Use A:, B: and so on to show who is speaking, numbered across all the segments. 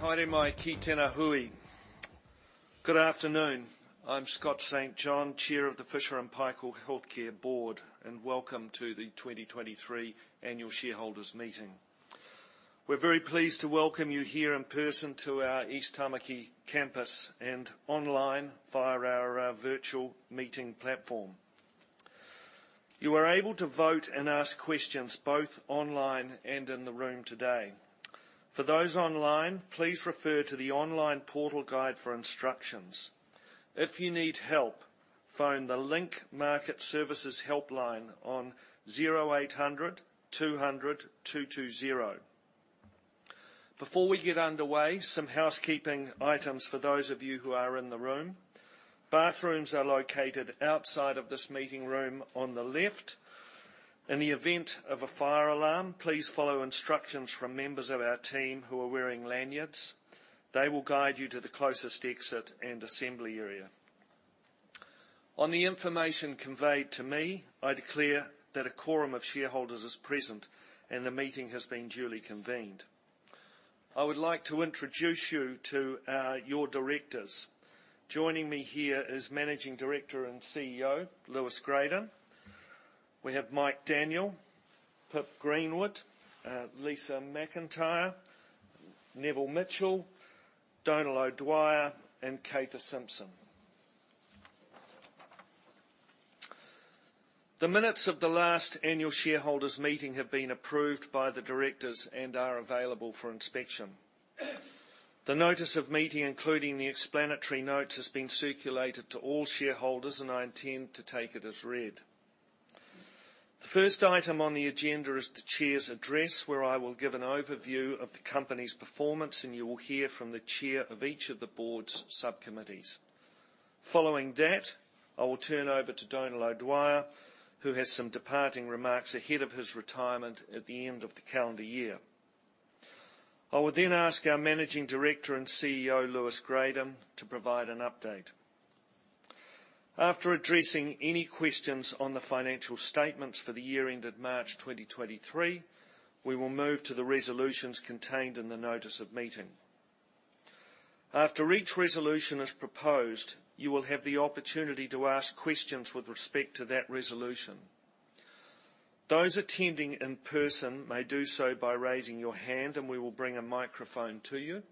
A: Haere mai, ki tena hui. Good afternoon. I'm Scott St. John, Chair of the Fisher & Paykel Healthcare Board, and welcome to the 2023 Annual Shareholders Meeting. We're very pleased to welcome you here in person to our East Tamaki campus and online via our virtual meeting platform. You are able to vote and ask questions both online and in the room today. For those online, please refer to the online portal guide for instructions. If you need help, phone the Link Market Services Helpline on 0800 200 220. Before we get underway, some housekeeping items for those of you who are in the room. Bathrooms are located outside of this meeting room on the left. In the event of a fire alarm, please follow instructions from members of our team who are wearing lanyards. They will guide you to the closest exit and assembly area. On the information conveyed to me, I declare that a quorum of shareholders is present, and the meeting has been duly convened. I would like to introduce you to your directors. Joining me here is Managing Director and CEO, Lewis Gradon. We have Mike Daniel, Pip Greenwood, Lisa McIntyre, Neville Mitchell, Donal O'Dwyer, and Cather Simpson. The minutes of the last annual shareholders meeting have been approved by the directors and are available for inspection. The notice of meeting, including the explanatory notes, has been circulated to all shareholders, and I intend to take it as read. The first item on the agenda is the chair's address, where I will give an overview of the company's performance, and you will hear from the Chair of each of the Board's subcommittees. Following that, I will turn over to Donal O'Dwyer, who has some departing remarks ahead of his retirement at the end of the calendar year. I will then ask our Managing Director and CEO, Lewis Gradon, to provide an update. After addressing any questions on the financial statements for the year ended March 2023, we will move to the resolutions contained in the notice of meeting. After each resolution is proposed, you will have the opportunity to ask questions with respect to that resolution. Those attending in person may do so by raising your hand, and we will bring a microphone to you.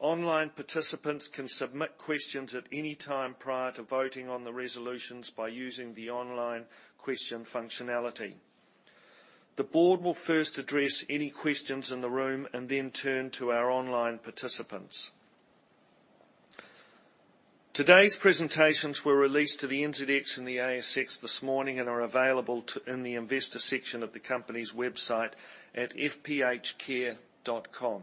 A: Online participants can submit questions at any time prior to voting on the resolutions by using the online question functionality. The Board will first address any questions in the room and then turn to our online participants. Today's presentations were released to the NZX and the ASX this morning and are available in the investor section of the company's website at fphcare.com.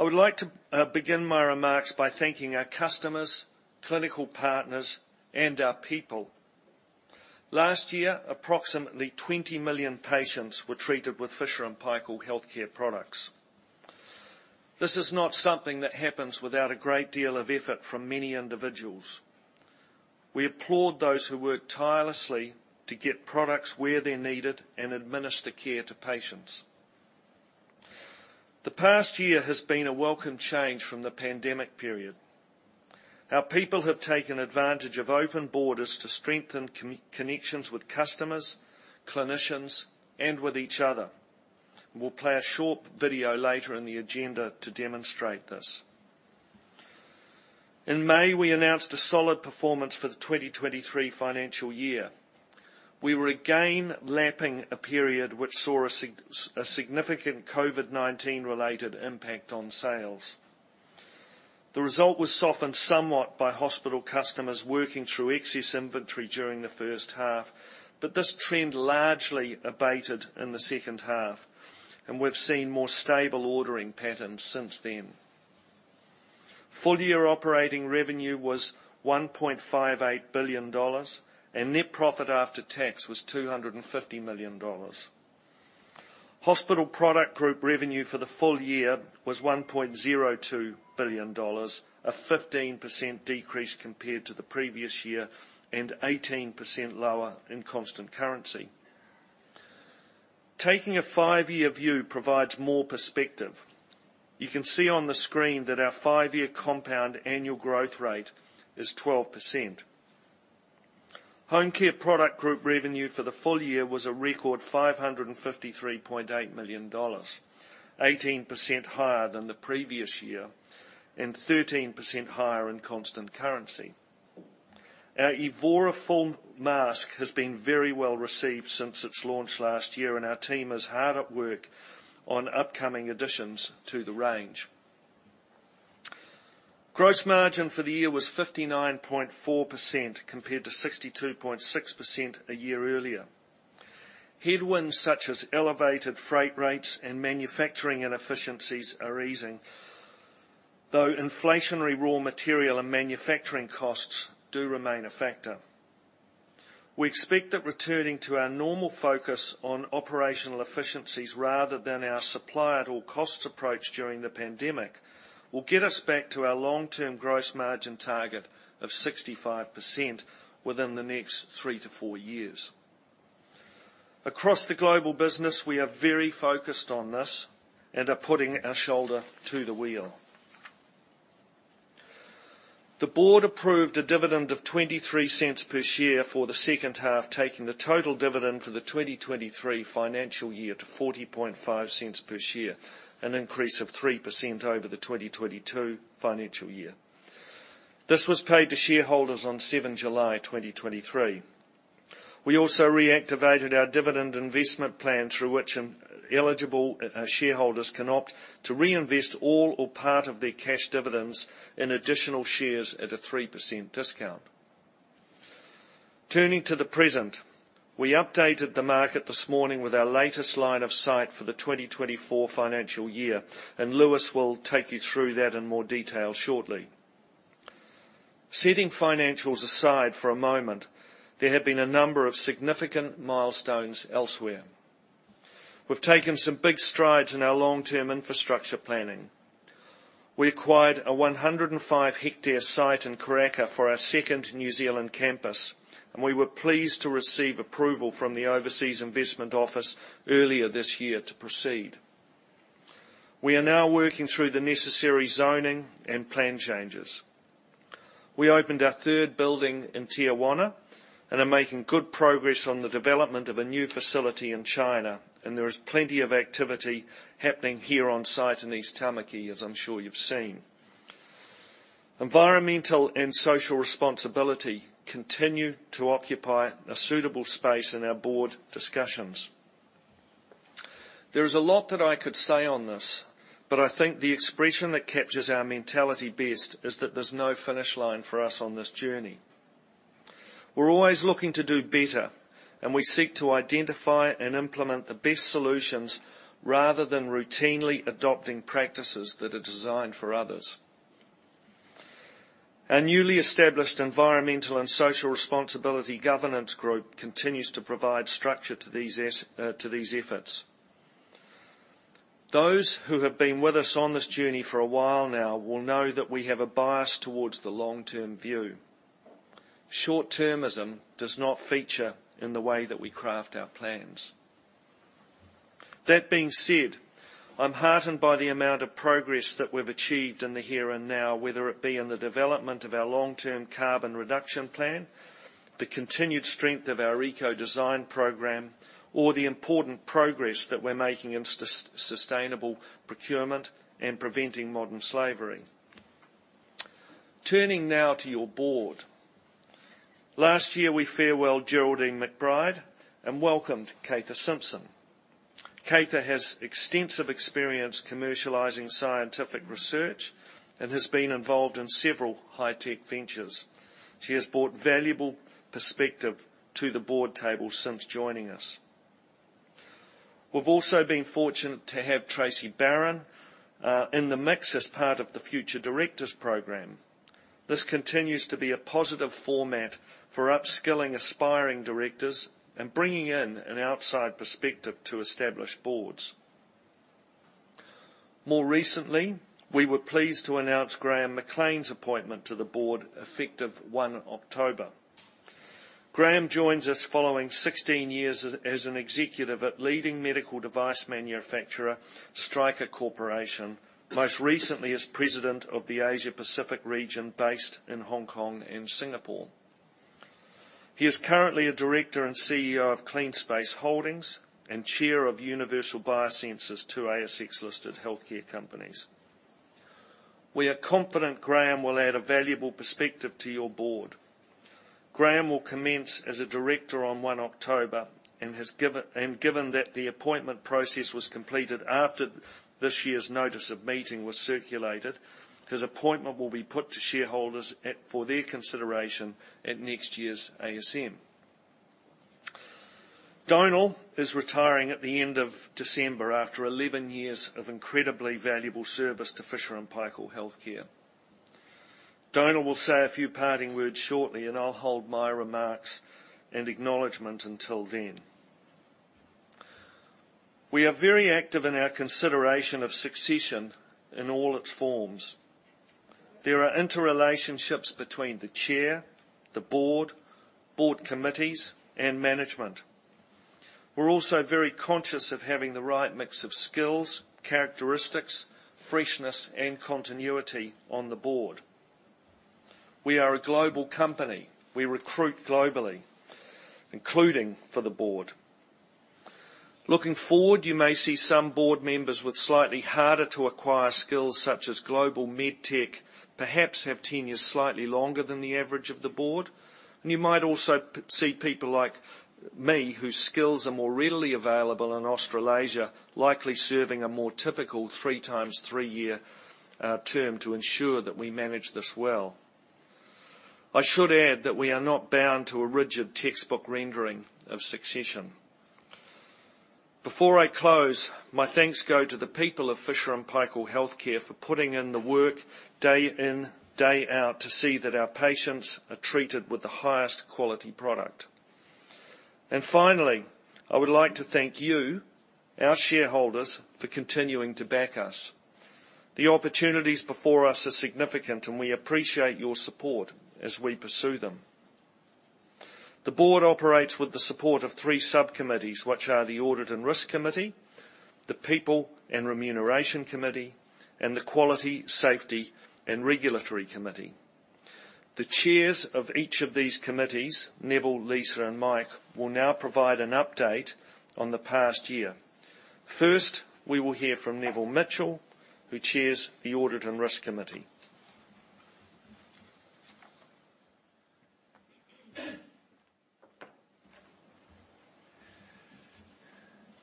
A: I would like to begin my remarks by thanking our customers, clinical partners, and our people. Last year, approximately 20 million patients were treated with Fisher & Paykel Healthcare products. This is not something that happens without a great deal of effort from many individuals. We applaud those who work tirelessly to get products where they're needed and administer care to patients. The past year has been a welcome change from the pandemic period. Our people have taken advantage of open borders to strengthen connections with customers, clinicians, and with each other. We'll play a short video later in the agenda to demonstrate this. In May, we announced a solid performance for the 2023 financial year. We were again lapping a period which saw a significant COVID-19 related impact on sales. The result was softened somewhat by hospital customers working through excess inventory during the first half, but this trend largely abated in the second half, and we've seen more stable ordering patterns since then. Full-year operating revenue was NZD 1.58 billion, and net profit after tax was NZD 250 million. Hospital product group revenue for the full year was NZD 1.02 billion, a 15% decrease compared to the previous year and 18% lower in constant currency. Taking a five-year view provides more perspective. You can see on the screen that our five-year compound annual growth rate is 12%. Home care product group revenue for the full year was a record 553.8 million dollars, 18% higher than the previous year and 13% higher in constant currency. Our Evora Full mask has been very well received since its launch last year, and our team is hard at work on upcoming additions to the range. Gross margin for the year was 59.4%, compared to 62.6% a year earlier. Headwinds such as elevated freight rates and manufacturing inefficiencies are easing, though inflationary raw material and manufacturing costs do remain a factor. We expect that returning to our normal focus on operational efficiencies rather than our supply at all costs approach during the pandemic, will get us back to our long-term gross margin target of 65% within the next 3-4 years. Across the global business, we are very focused on this and are putting our shoulder to the wheel... The board approved a dividend of 0.23 per share for the second half, taking the total dividend for the 2023 financial year to 0.405 per share, an increase of 3% over the 2022 financial year. This was paid to shareholders on 7 July 2023. We also reactivated our dividend investment plan, through which eligible shareholders can opt to reinvest all or part of their cash dividends in additional shares at a 3% discount. Turning to the present, we updated the market this morning with our latest line of sight for the 2024 financial year, and Lewis will take you through that in more detail shortly. Setting financials aside for a moment, there have been a number of significant milestones elsewhere. We've taken some big strides in our long-term infrastructure planning. We acquired a 105-hectare site in Karaka for our second New Zealand campus, and we were pleased to receive approval from the Overseas Investment Office earlier this year to proceed. We are now working through the necessary zoning and plan changes. We opened our third building in Tijuana, and are making good progress on the development of a new facility in China, and there is plenty of activity happening here on site in East Tamaki, as I'm sure you've seen. Environmental and social responsibility continue to occupy a suitable space in our board discussions. There is a lot that I could say on this, but I think the expression that captures our mentality best is that there's no finish line for us on this journey. We're always looking to do better, and we seek to identify and implement the best solutions rather than routinely adopting practices that are designed for others. Our newly established environmental and social responsibility governance group continues to provide structure to these efforts. Those who have been with us on this journey for a while now will know that we have a bias towards the long-term view. Short-termism does not feature in the way that we craft our plans. That being said, I'm heartened by the amount of progress that we've achieved in the here and now, whether it be in the development of our long-term carbon reduction plan, the continued strength of our eco-design program, or the important progress that we're making in sustainable procurement and preventing modern slavery. Turning now to your Board. Last year, we farewelled Geraldine McBride and welcomed Cather Simpson. Cather has extensive experience commercializing scientific research and has been involved in several high-tech ventures. She has brought valuable perspective to the board table since joining us. We've also been fortunate to have Tracey Barron in the mix as part of the Future Directors program. This continues to be a positive format for upskilling aspiring directors and bringing in an outside perspective to established boards. More recently, we were pleased to announce Graham McLean's appointment to the board, effective 1 October. Graham joins us following 16 years as an executive at leading medical device manufacturer, Stryker Corporation, most recently as President of the Asia Pacific region, based in Hong Kong and Singapore. He is currently a Director and CEO of CleanSpace Holdings and chair of Universal Biosensors, two ASX-listed healthcare companies. We are confident Graham will add a valuable perspective to your Board. Graham will commence as a Director on 1 October, and given that the appointment process was completed after this year's notice of meeting was circulated, his appointment will be put to shareholders at, for their consideration at next year's ASM. Donal is retiring at the end of December after 11 years of incredibly valuable service to Fisher & Paykel Healthcare. Donal will say a few parting words shortly, and I'll hold my remarks and acknowledgement until then. We are very active in our consideration of succession in all its forms. There are interrelationships between the chair, the board, board committees, and management. We're also very conscious of having the right mix of skills, characteristics, freshness, and continuity on the board. We are a global company. We recruit globally, including for the board. Looking forward, you may see some board members with slightly harder-to-acquire skills, such as global med tech, perhaps have tenure slightly longer than the average of the board. And you might also see people like me, whose skills are more readily available in Australasia, likely serving a more typical 3 times 3-year term, to ensure that we manage this well. I should add that we are not bound to a rigid textbook rendering of succession. Before I close, my thanks go to the people of Fisher & Paykel Healthcare for putting in the work day in, day out, to see that our patients are treated with the highest quality product. And finally, I would like to thank you, our shareholders, for continuing to back us. The opportunities before us are significant, and we appreciate your support as we pursue them. The board operates with the support of three subcommittees, which are: the Audit and Risk Committee, the People and Remuneration Committee, and the Quality, Safety, and Regulatory Committee. The chairs of each of these committees, Neville, Lisa, and Mike, will now provide an update on the past year. First, we will hear from Neville Mitchell, who chairs the Audit and Risk Committee.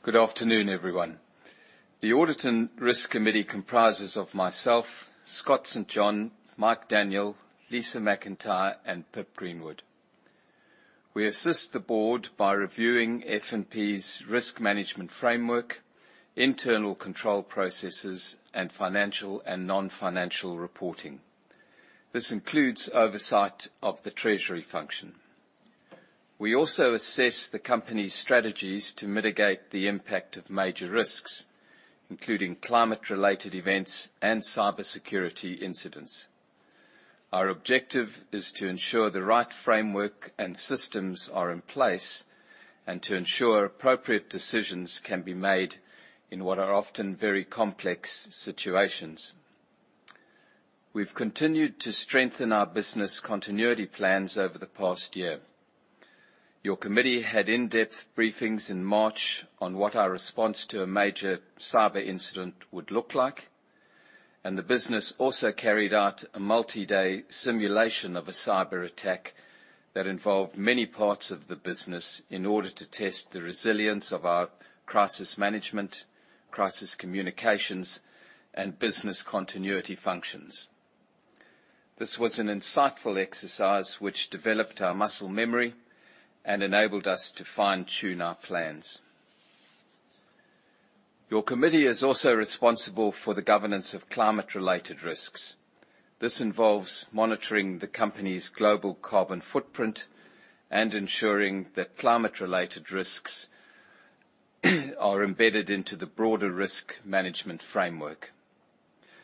B: Good afternoon, everyone. The Audit and Risk Committee comprises of myself, Scott St John, Mike Daniel, Lisa McIntyre, and Pip Greenwood. We assist the board by reviewing F&P's risk management framework, internal control processes, and financial and non-financial reporting. This includes oversight of the treasury function. We also assess the company's strategies to mitigate the impact of major risks, including climate-related events and cybersecurity incidents. Our objective is to ensure the right framework and systems are in place, and to ensure appropriate decisions can be made in what are often very complex situations. We've continued to strengthen our business continuity plans over the past year. Your committee had in-depth briefings in March on what our response to a major cyber incident would look like, and the business also carried out a multi-day simulation of a cyberattack that involved many parts of the business in order to test the resilience of our crisis management, crisis communications, and business continuity functions. This was an insightful exercise, which developed our muscle memory and enabled us to fine-tune our plans. Your committee is also responsible for the governance of climate-related risks. This involves monitoring the company's global carbon footprint and ensuring that climate-related risks are embedded into the broader risk management framework.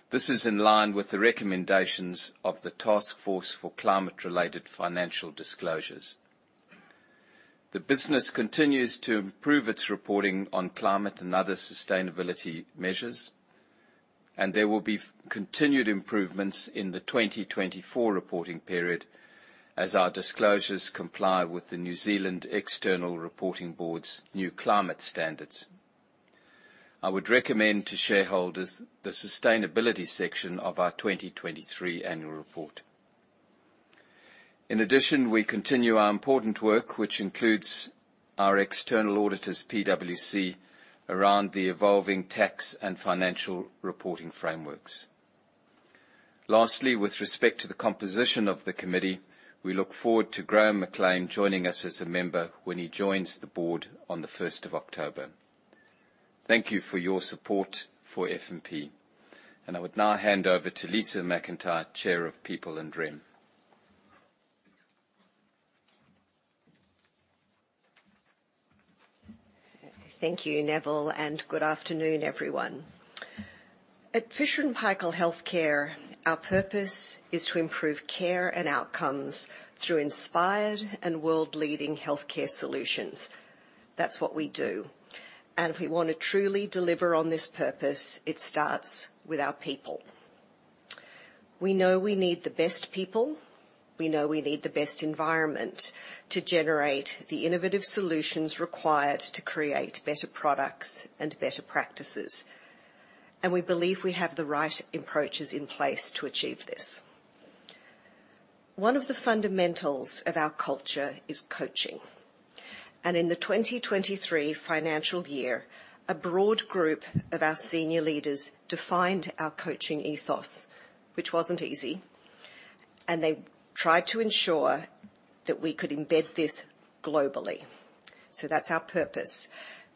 B: This is in line with the recommendations of the Task Force for Climate-Related Financial Disclosures. The business continues to improve its reporting on climate and other sustainability measures, and there will be continued improvements in the 2024 reporting period as our disclosures comply with the New Zealand External Reporting Board's new climate standards. I would recommend to shareholders the sustainability section of our 2023 annual report. In addition, we continue our important work, which includes our external auditors, PwC, around the evolving tax and financial reporting frameworks. Lastly, with respect to the composition of the committee, we look forward to Graham McLean joining us as a member when he joins the board on the first of October. Thank you for your support for F&P. I would now hand over to Lisa McIntyre, Chair of People and Rem.
C: Thank you, Neville, and good afternoon, everyone. At Fisher & Paykel Healthcare, our purpose is to improve care and outcomes through inspired and world-leading healthcare solutions. That's what we do, and if we want to truly deliver on this purpose, it starts with our people. We know we need the best people. We know we need the best environment to generate the innovative solutions required to create better products and better practices, and we believe we have the right approaches in place to achieve this. One of the fundamentals of our culture is coaching, and in the 2023 financial year, a broad group of our senior leaders defined our coaching ethos, which wasn't easy, and they tried to ensure that we could embed this globally. That's our purpose,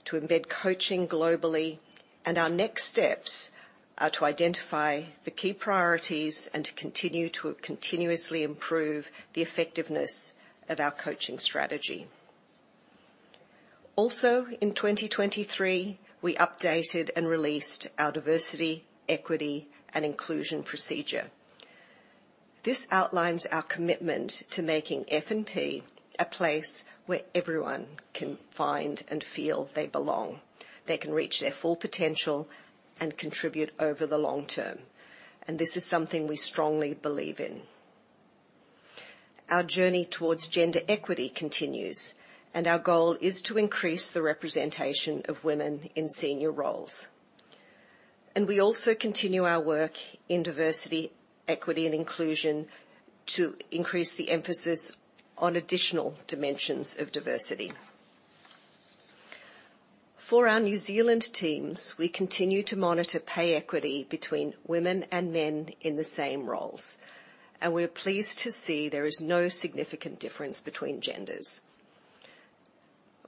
C: to embed coaching globally, and our next steps are to identify the key priorities and to continue to continuously improve the effectiveness of our coaching strategy. Also, in 2023, we updated and released our diversity, equity, and inclusion procedure. This outlines our commitment to making F&P a place where everyone can find and feel they belong. They can reach their full potential and contribute over the long term, and this is something we strongly believe in. Our journey towards gender equity continues, and our goal is to increase the representation of women in senior roles. We also continue our work in diversity, equity, and inclusion to increase the emphasis on additional dimensions of diversity. For our New Zealand teams, we continue to monitor pay equity between women and men in the same roles, and we're pleased to see there is no significant difference between genders.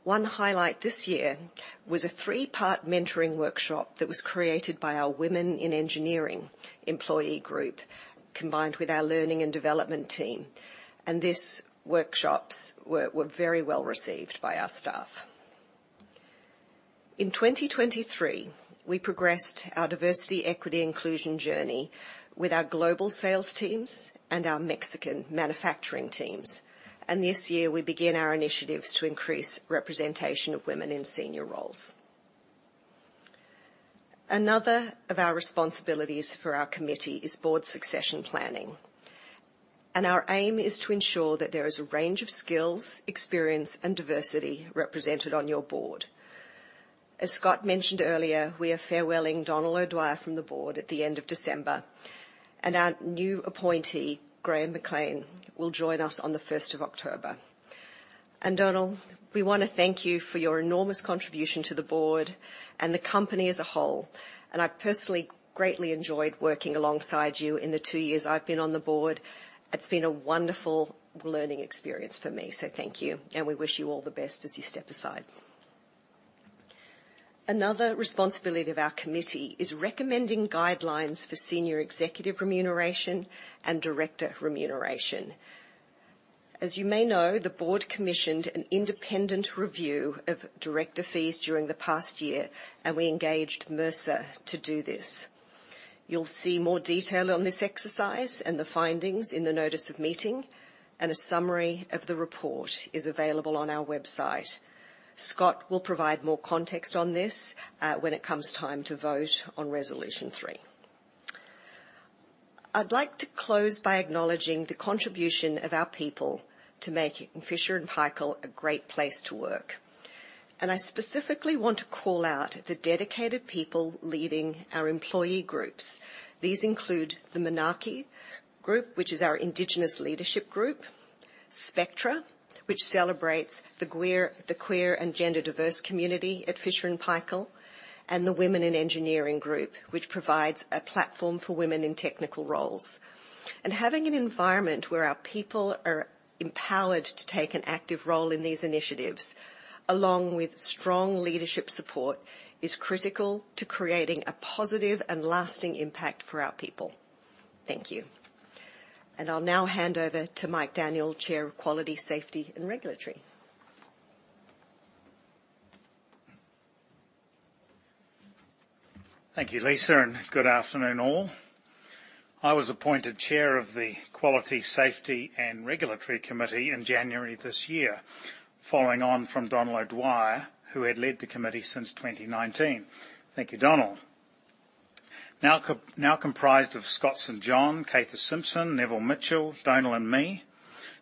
C: One highlight this year was a three-part mentoring workshop that was created by our Women in Engineering employee group, combined with our learning and development team, and these workshops were very well-received by our staff…. In 2023, we progressed our diversity, equity, inclusion journey with our global sales teams and our Mexican manufacturing teams, and this year, we begin our initiatives to increase representation of women in senior roles. Another of our responsibilities for our committee is board succession planning, and our aim is to ensure that there is a range of skills, experience, and diversity represented on your board. As Scott mentioned earlier, we are farewelling Donal O'Dwyer from the board at the end of December, and our new appointee, Graham McLean, will join us on the 1st of October. And Donal, we want to thank you for your enormous contribution to the board and the company as a whole, and I personally greatly enjoyed working alongside you in the two years I've been on the board. It's been a wonderful learning experience for me, so thank you, and we wish you all the best as you step aside. Another responsibility of our committee is recommending guidelines for senior executive remuneration and director remuneration. As you may know, the board commissioned an independent review of director fees during the past year, and we engaged Mercer to do this. You'll see more detail on this exercise and the findings in the notice of meeting, and a summary of the report is available on our website. Scott will provide more context on this, when it comes time to vote on Resolution three. I'd like to close by acknowledging the contribution of our people to making Fisher & Paykel a great place to work, and I specifically want to call out the dedicated people leading our employee groups. These include the Manaaki Group, which is our indigenous leadership group; Spectra, which celebrates the queer and gender-diverse community at Fisher & Paykel; and the Women in Engineering Group, which provides a platform for women in technical roles. Having an environment where our people are empowered to take an active role in these initiatives, along with strong leadership support, is critical to creating a positive and lasting impact for our people. Thank you. I'll now hand over to Mike Daniel, Chair of Quality, Safety, and Regulatory.
D: Thank you, Lisa, and good afternoon, all. I was appointed chair of the Quality, Safety, and Regulatory Committee in January this year, following on from Donal O'Dwyer, who had led the committee since 2019. Thank you, Donal. Now comprised of Scott St John, Cather Simpson, Neville Mitchell, Donal, and me,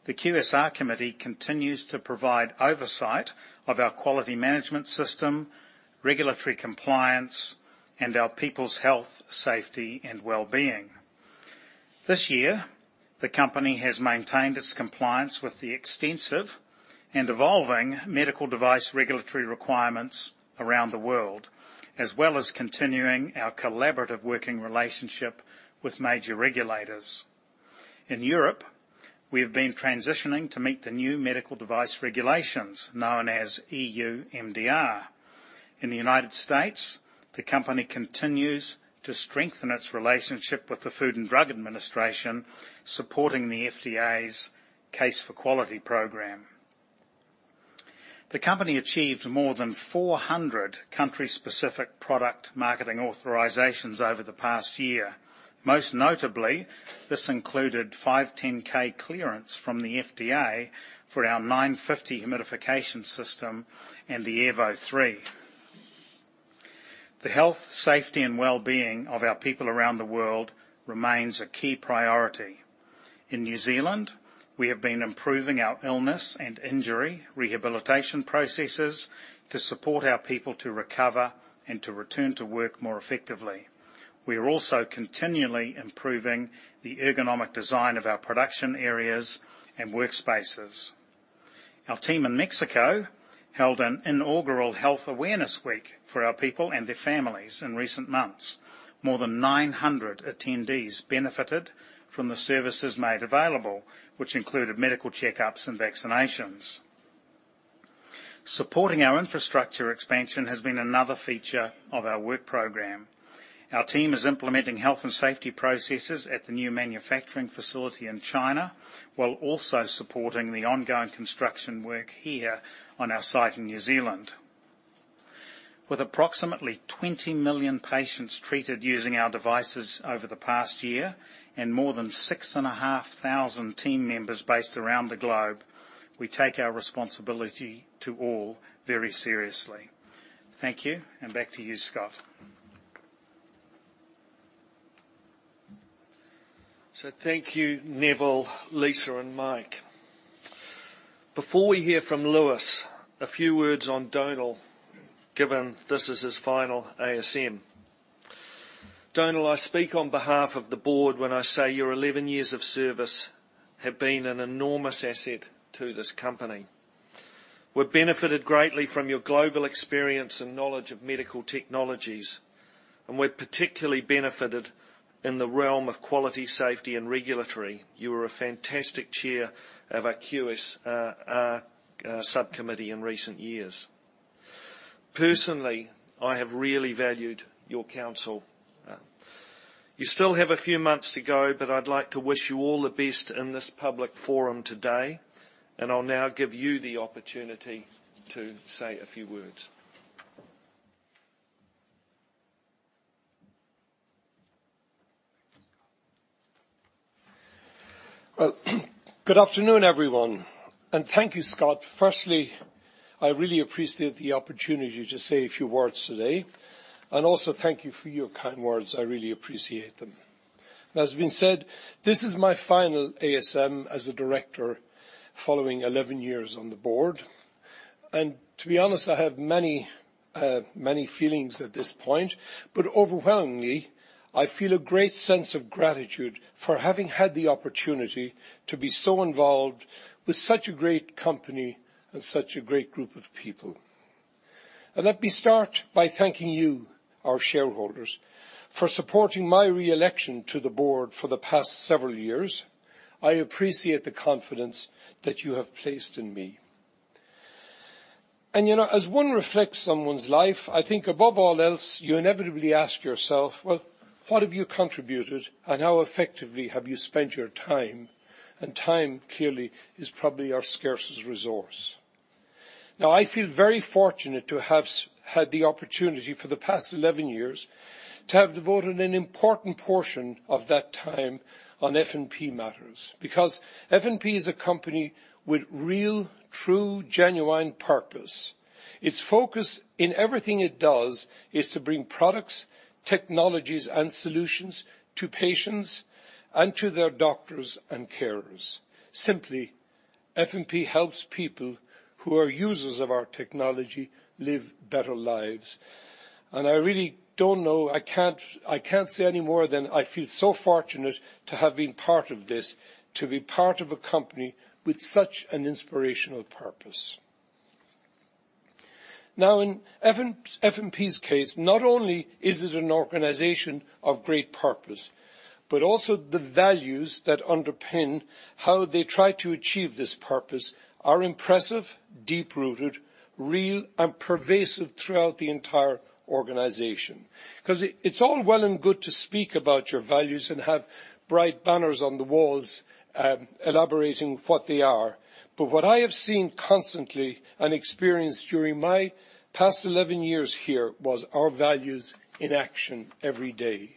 D: the QSR Committee continues to provide oversight of our quality management system, regulatory compliance, and our people's health, safety, and wellbeing. This year, the company has maintained its compliance with the extensive and evolving medical device regulatory requirements around the world, as well as continuing our collaborative working relationship with major regulators. In Europe, we have been transitioning to meet the new medical device regulations known as EU MDR. In the United States, the company continues to strengthen its relationship with the Food and Drug Administration, supporting the FDA's Case for Quality program. The company achieved more than 400 country-specific product marketing authorizations over the past year. Most notably, this included 510(k) clearance from the FDA for our 950 humidification system and the Airvo 3. The health, safety, and wellbeing of our people around the world remains a key priority. In New Zealand, we have been improving our illness and injury rehabilitation processes to support our people to recover and to return to work more effectively. We are also continually improving the ergonomic design of our production areas and workspaces. Our team in Mexico held an inaugural Health Awareness Week for our people and their families in recent months. More than 900 attendees benefited from the services made available, which included medical checkups and vaccinations. Supporting our infrastructure expansion has been another feature of our work program. Our team is implementing health and safety processes at the new manufacturing facility in China, while also supporting the ongoing construction work here on our site in New Zealand. With approximately 20 million patients treated using our devices over the past year and more than 6,500 team members based around the globe, we take our responsibility to all very seriously. Thank you, and back to you, Scott.
A: So thank you, Neville, Lisa, and Mike. Before we hear from Lewis, a few words on Donal, given this is his final ASM. Donal, I speak on behalf of the Board when I say your 11 years of service have been an enormous asset to this company. We've benefited greatly from your global experience and knowledge of medical technologies, and we've particularly benefited in the realm of quality, safety, and regulatory. You were a fantastic chair of our QSR subcommittee in recent years. Personally, I have really valued your counsel. You still have a few months to go, but I'd like to wish you all the best in this public forum today, and I'll now give you the opportunity to say a few words.
E: Well, good afternoon, everyone, and thank you, Scott. Firstly, I really appreciate the opportunity to say a few words today, and also thank you for your kind words. I really appreciate them. As has been said, this is my final ASM as a director following 11 years on the board. To be honest, I have many, many feelings at this point, but overwhelmingly, I feel a great sense of gratitude for having had the opportunity to be so involved with such a great company and such a great group of people. Let me start by thanking you, our shareholders, for supporting my re-election to the board for the past several years. I appreciate the confidence that you have placed in me. You know, as one reflects on one's life, I think above all else, you inevitably ask yourself, "Well, what have you contributed, and how effectively have you spent your time?" Time, clearly, is probably our scarcest resource. Now, I feel very fortunate to have had the opportunity for the past 11 years to have devoted an important portion of that time on F&P matters, because F&P is a company with real, true, genuine purpose. Its focus in everything it does is to bring products, technologies, and solutions to patients and to their doctors and carers. Simply, F&P helps people who are users of our technology live better lives. And I really don't know... I can't, I can't say any more than I feel so fortunate to have been part of this, to be part of a company with such an inspirational purpose. Now, in F&P's case, not only is it an organization of great purpose, but also the values that underpin how they try to achieve this purpose are impressive, deep-rooted, real, and pervasive throughout the entire organization. 'Cause it's all well and good to speak about your values and have bright banners on the walls, elaborating what they are, but what I have seen constantly and experienced during my past 11 years here, was our values in action every day.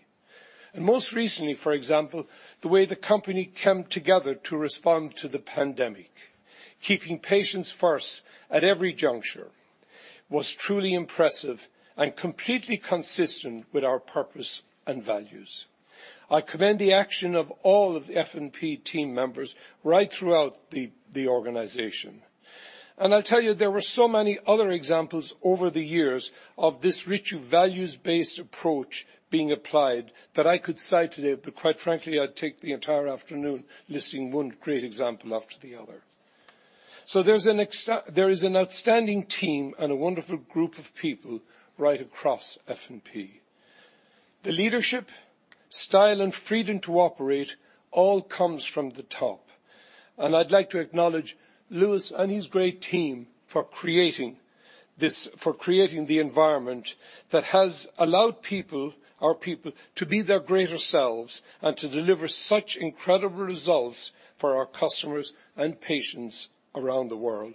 E: And most recently, for example, the way the company came together to respond to the pandemic, keeping patients first at every juncture, was truly impressive and completely consistent with our purpose and values. I commend the action of all of the F&P team members right throughout the organization. I'll tell you, there were so many other examples over the years of this rich, values-based approach being applied that I could cite today, but quite frankly, I'd take the entire afternoon listing one great example after the other. There is an outstanding team and a wonderful group of people right across F&P. The leadership, style, and freedom to operate all comes from the top, and I'd like to acknowledge Lewis and his great team for creating this, for creating the environment that has allowed people, our people, to be their greater selves and to deliver such incredible results for our customers and patients around the world.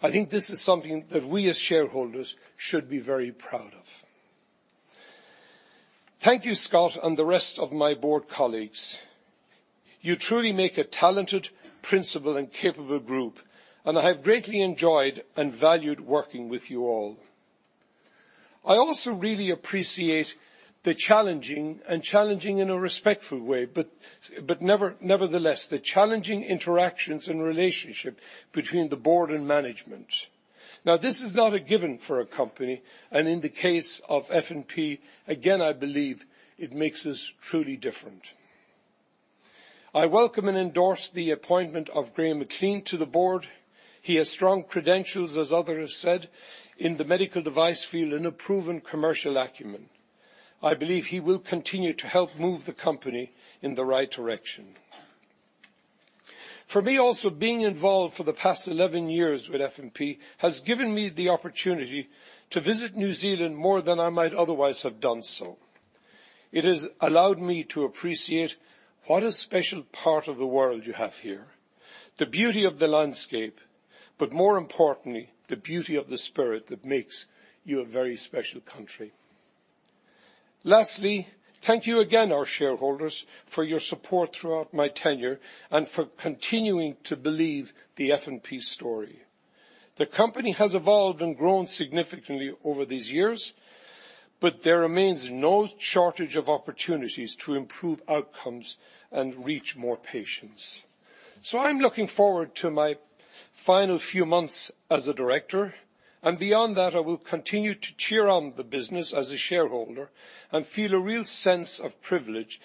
E: I think this is something that we as shareholders should be very proud of. Thank you, Scott, and the rest of my Board colleagues. You truly make a talented, principled, and capable group, and I have greatly enjoyed and valued working with you all. I also really appreciate the challenging, and challenging in a respectful way, but nevertheless, the challenging interactions and relationship between the board and management. Now, this is not a given for a company, and in the case of F&P, again, I believe it makes us truly different. I welcome and endorse the appointment of Graham McLean to the board. He has strong credentials, as others have said, in the medical device field and a proven commercial acumen. I believe he will continue to help move the company in the right direction. For me, also, being involved for the past 11 years with F&P has given me the opportunity to visit New Zealand more than I might otherwise have done so. It has allowed me to appreciate what a special part of the world you have here, the beauty of the landscape, but more importantly, the beauty of the spirit that makes you a very special country. Lastly, thank you again, our shareholders, for your support throughout my tenure and for continuing to believe the F&P story. The company has evolved and grown significantly over these years, but there remains no shortage of opportunities to improve outcomes and reach more patients. So I'm looking forward to my final few months as a director, and beyond that, I will continue to cheer on the business as a shareholder and feel a real sense of privilege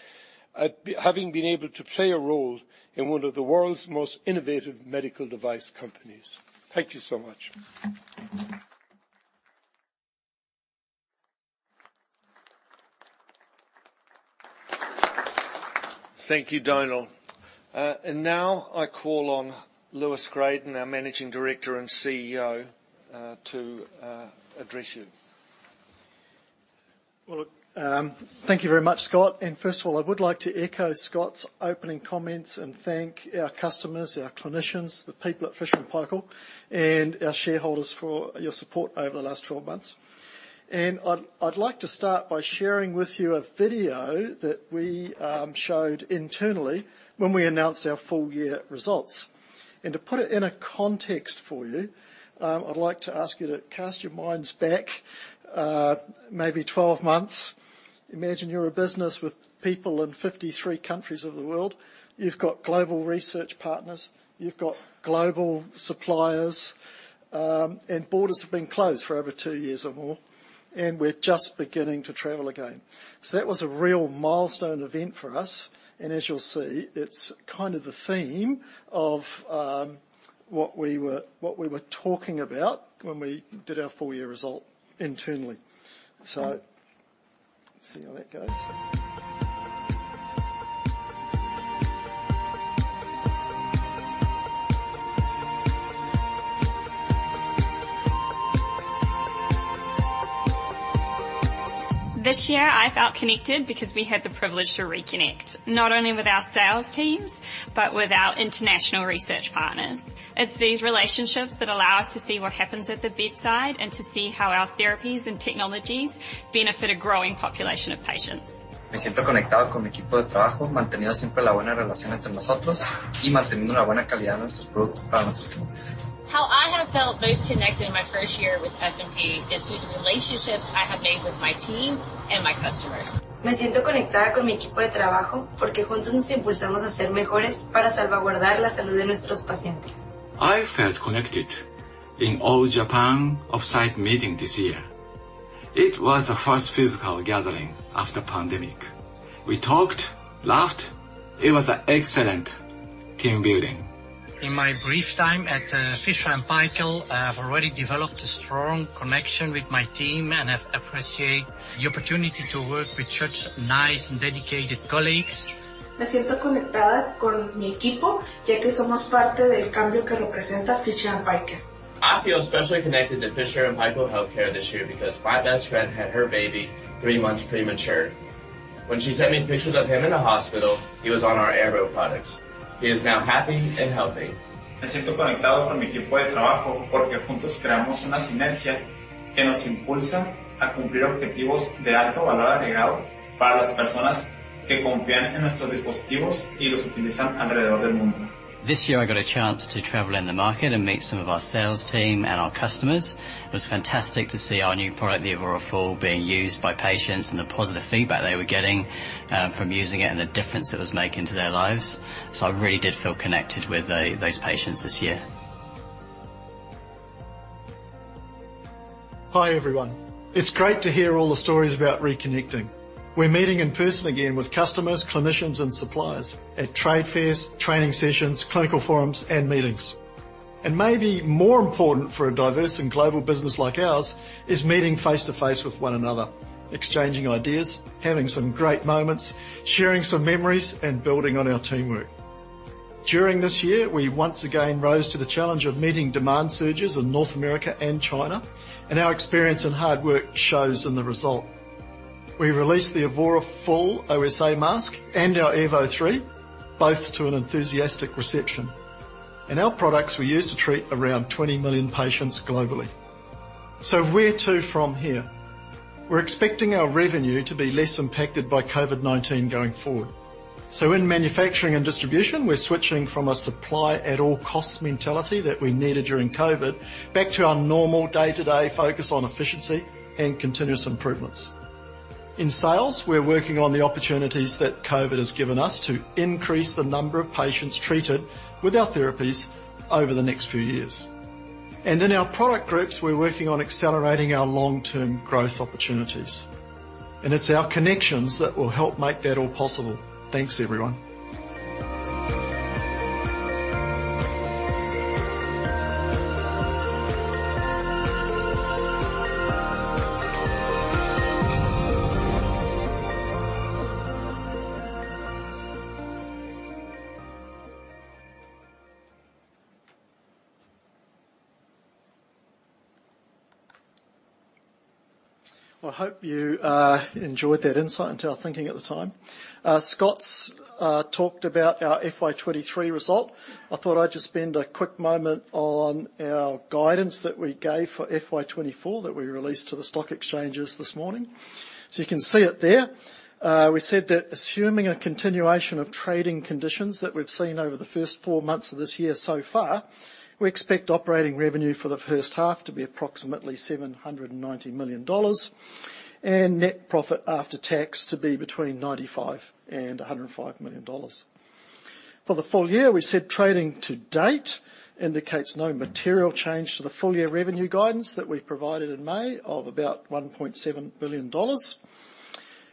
E: at having been able to play a role in one of the world's most innovative medical device companies. Thank you so much. ...
A: Thank you, Donal. Now I call on Lewis Gradon, our Managing Director and CEO, to address you.
F: Well, thank you very much, Scott. First of all, I would like to echo Scott's opening comments and thank our customers, our clinicians, the people at Fisher & Paykel, and our shareholders for your support over the last 12 months. I'd like to start by sharing with you a video that we showed internally when we announced our full year results. To put it in a context for you, I'd like to ask you to cast your minds back, maybe 12 months. Imagine you're a business with people in 53 countries of the world. You've got global research partners, you've got global suppliers, and borders have been closed for over two years or more, and we're just beginning to travel again. So that was a real milestone event for us, and as you'll see, it's kind of the theme of, what we were, what we were talking about when we did our full year result internally. So let's see how that goes.
G: This year I felt connected because we had the privilege to reconnect, not only with our sales teams, but with our international research partners. It's these relationships that allow us to see what happens at the bedside, and to see how our therapies and technologies benefit a growing population of patients.
H: How I have felt most connected in my first year with F&P is through the relationships I have made with my team and my customers.
I: I felt connected in all Japan off-site meeting this year. It was the first physical gathering after pandemic. We talked, laughed. It was an excellent team building.
J: In my brief time at Fisher and Paykel, I've already developed a strong connection with my team, and I appreciate the opportunity to work with such nice and dedicated colleagues.
I: I feel especially connected to Fisher & Paykel Healthcare this year because my best friend had her baby three months premature. When she sent me pictures of him in the hospital, he was on our Airvo products. He is now happy and healthy.
H: This year, I got a chance to travel in the market and meet some of our sales team and our customers. It was fantastic to see our new product, the Evora Full, being used by patients, and the positive feedback they were getting from using it, and the difference it was making to their lives. So I really did feel connected with those patients this year.
F: Hi, everyone. It's great to hear all the stories about reconnecting. We're meeting in person again with customers, clinicians, and suppliers at trade fairs, training sessions, clinical forums, and meetings. And maybe more important for a diverse and global business like ours, is meeting face-to-face with one another, exchanging ideas, having some great moments, sharing some memories, and building on our teamwork. During this year, we once again rose to the challenge of meeting demand surges in North America and China, and our experience and hard work shows in the result. We released the Evora Full OSA mask and our Evo3, both to an enthusiastic reception, and our products were used to treat around 20 million patients globally. So where to from here? We're expecting our revenue to be less impacted by COVID-19 going forward. So in manufacturing and distribution, we're switching from a supply-at-all-costs mentality that we needed during COVID, back to our normal day-to-day focus on efficiency and continuous improvements. In sales, we're working on the opportunities that COVID has given us to increase the number of patients treated with our therapies over the next few years. And in our product groups, we're working on accelerating our long-term growth opportunities, and it's our connections that will help make that all possible. Thanks, everyone. Well, I hope you enjoyed that insight into our thinking at the time. Scott's talked about our FY 23 result. I thought I'd just spend a quick moment on our guidance that we gave for FY 24, that we released to the stock exchanges this morning. So you can see it there. We said that assuming a continuation of trading conditions that we've seen over the first four months of this year so far, we expect operating revenue for the first half to be approximately 790 million dollars, and net profit after tax to be between 95 million and 105 million dollars. For the full year, we said trading to date indicates no material change to the full year revenue guidance that we provided in May, of about 1.7 billion dollars.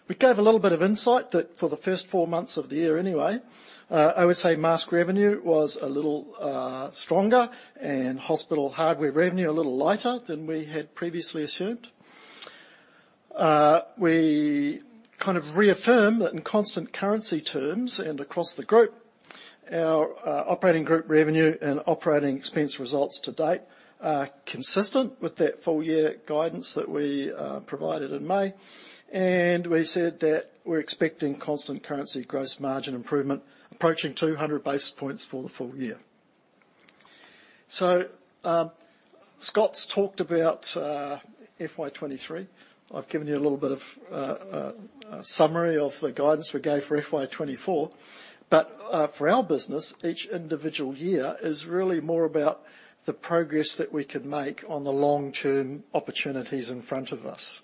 F: We gave a little bit of insight that for the first four months of the year anyway, OSA mask revenue was a little stronger and hospital hardware revenue, a little lighter than we had previously assumed.... We kind of reaffirm that in constant currency terms and across the group, our operating group revenue and operating expense results to date are consistent with that full year guidance that we provided in May. And we said that we're expecting constant currency gross margin improvement, approaching 200 basis points for the full year. So, Scott's talked about FY 2023. I've given you a little bit of a summary of the guidance we gave for FY 2024. But, for our business, each individual year is really more about the progress that we can make on the long-term opportunities in front of us.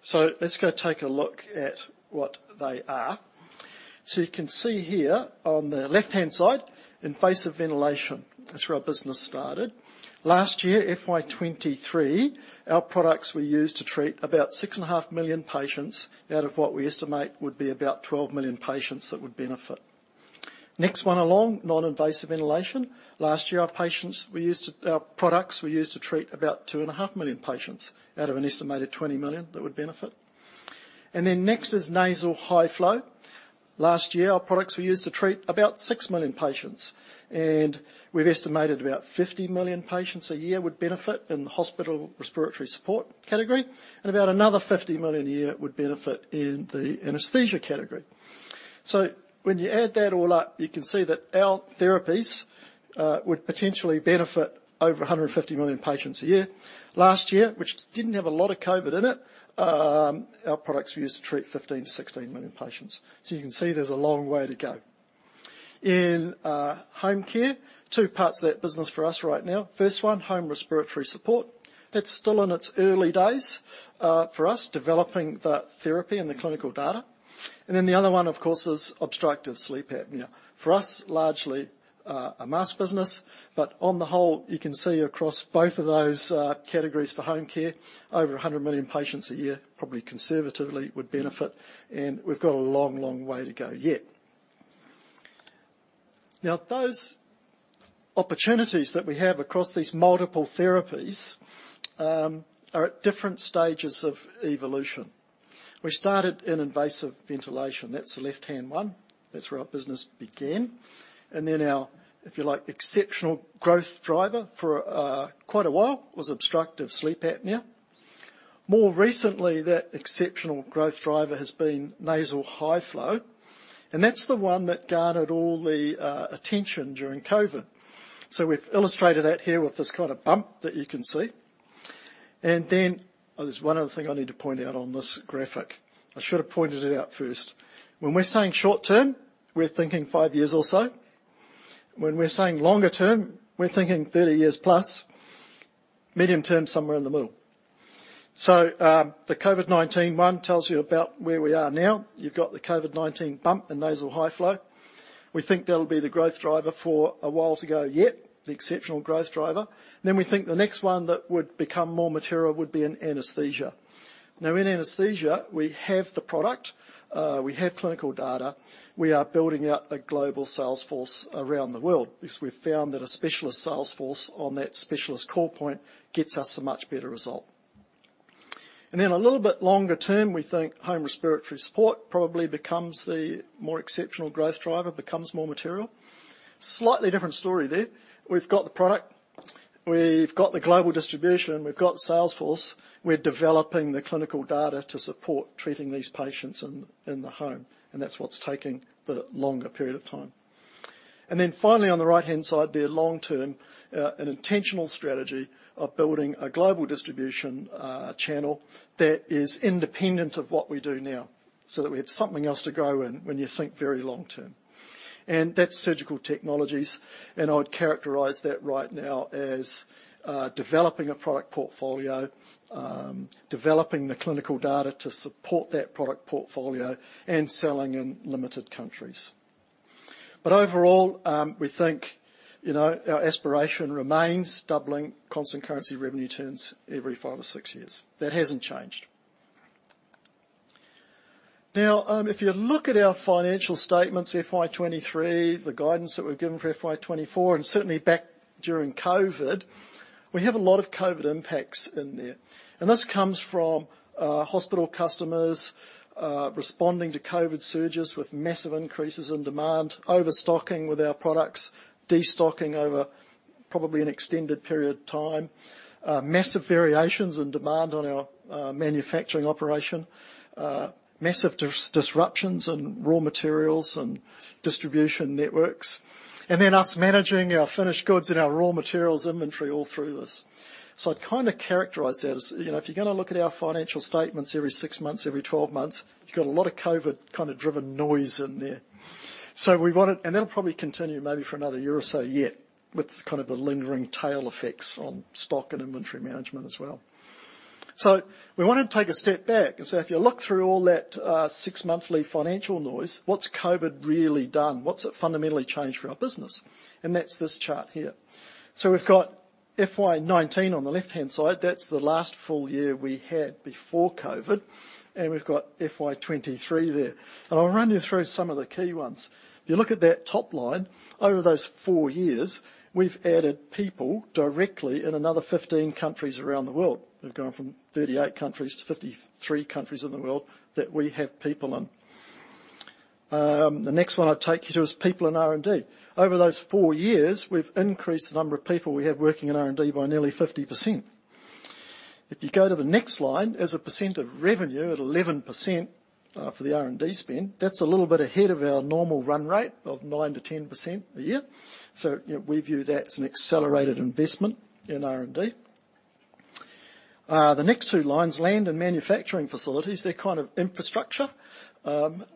F: So let's go take a look at what they are. So you can see here on the left-hand side, invasive ventilation. That's where our business started. Last year, FY 2023, our products were used to treat about 6.5 million patients out of what we estimate would be about 12 million patients that would benefit. Next one along, noninvasive ventilation. Last year, our products were used to treat about 2.5 million patients out of an estimated 20 million that would benefit. And then next is nasal high flow. Last year, our products were used to treat about 6 million patients, and we've estimated about 50 million patients a year would benefit in the hospital respiratory support category, and about another 50 million a year would benefit in the anesthesia category. So when you add that all up, you can see that our therapies would potentially benefit over 150 million patients a year. Last year, which didn't have a lot of COVID in it, our products were used to treat 15-16 million patients. So you can see there's a long way to go. In home care, two parts of that business for us right now. First one, home respiratory support. That's still in its early days, for us, developing the therapy and the clinical data. And then the other one, of course, is obstructive sleep apnea. For us, largely, a mask business, but on the whole, you can see across both of those, categories for home care, over 100 million patients a year, probably conservatively, would benefit, and we've got a long, long way to go yet. Now, those opportunities that we have across these multiple therapies, are at different stages of evolution. We started in invasive ventilation. That's the left-hand one. That's where our business began. And then our, if you like, exceptional growth driver for quite a while, was obstructive sleep apnea. More recently, that exceptional growth driver has been nasal high flow, and that's the one that garnered all the attention during COVID. So we've illustrated that here with this kind of bump that you can see. And then... Oh, there's one other thing I need to point out on this graphic. I should have pointed it out first. When we're saying short term, we're thinking 5 years or so. When we're saying longer term, we're thinking 30 years plus. Medium-term, somewhere in the middle. So, the COVID-19 one tells you about where we are now. You've got the COVID-19 bump in nasal high flow. We think that'll be the growth driver for a while to go yet, the exceptional growth driver. Then we think the next one that would become more material would be in anesthesia. Now, in anesthesia, we have the product, we have clinical data. We are building out a global sales force around the world because we've found that a specialist sales force on that specialist call point gets us a much better result. And then a little bit longer term, we think home respiratory support probably becomes the more exceptional growth driver, becomes more material. Slightly different story there. We've got the product, we've got the global distribution, and we've got the sales force. We're developing the clinical data to support treating these patients in, in the home, and that's what's taking the longer period of time. Then finally, on the right-hand side there, long term, an intentional strategy of building a global distribution channel that is independent of what we do now, so that we have something else to grow in when you think very long term. That's surgical technologies, and I'd characterize that right now as developing a product portfolio, developing the clinical data to support that product portfolio, and selling in limited countries. Overall, we think, you know, our aspiration remains doubling constant currency revenue every 5 or 6 years. That hasn't changed. Now, if you look at our financial statements, FY 23, the guidance that we've given for FY 24, and certainly back during COVID, we have a lot of COVID impacts in there. This comes from hospital customers responding to COVID surges with massive increases in demand, overstocking with our products, destocking over probably an extended period of time, massive variations in demand on our manufacturing operation, massive disruptions in raw materials and distribution networks, and then us managing our finished goods and our raw materials inventory all through this. So I'd kind of characterize that as, you know, if you're gonna look at our financial statements every six months, every twelve months, you've got a lot of COVID kind of driven noise in there. So we want it... And that'll probably continue maybe for another year or so yet, with kind of the lingering tail effects on stock and inventory management as well. So we wanted to take a step back and say, if you look through all that, six monthly financial noise, what's COVID really done? What's it fundamentally changed for our business? And that's this chart here. So we've got FY 2019 on the left-hand side. That's the last full year we had before COVID, and we've got FY 2023 there. And I'll run you through some of the key ones. If you look at that top line, over those four years, we've added people directly in another 15 countries around the world. We've gone from 38 countries to 53 countries in the world that we have people in. The next one I'll take you to is people in R&D. Over those four years, we've increased the number of people we have working in R&D by nearly 50%. If you go to the next line, as a percent of revenue at 11%, for the R&D spend, that's a little bit ahead of our normal run rate of 9%-10% a year. So, you know, we view that as an accelerated investment in R&D. The next two lines, land and manufacturing facilities, they're kind of infrastructure.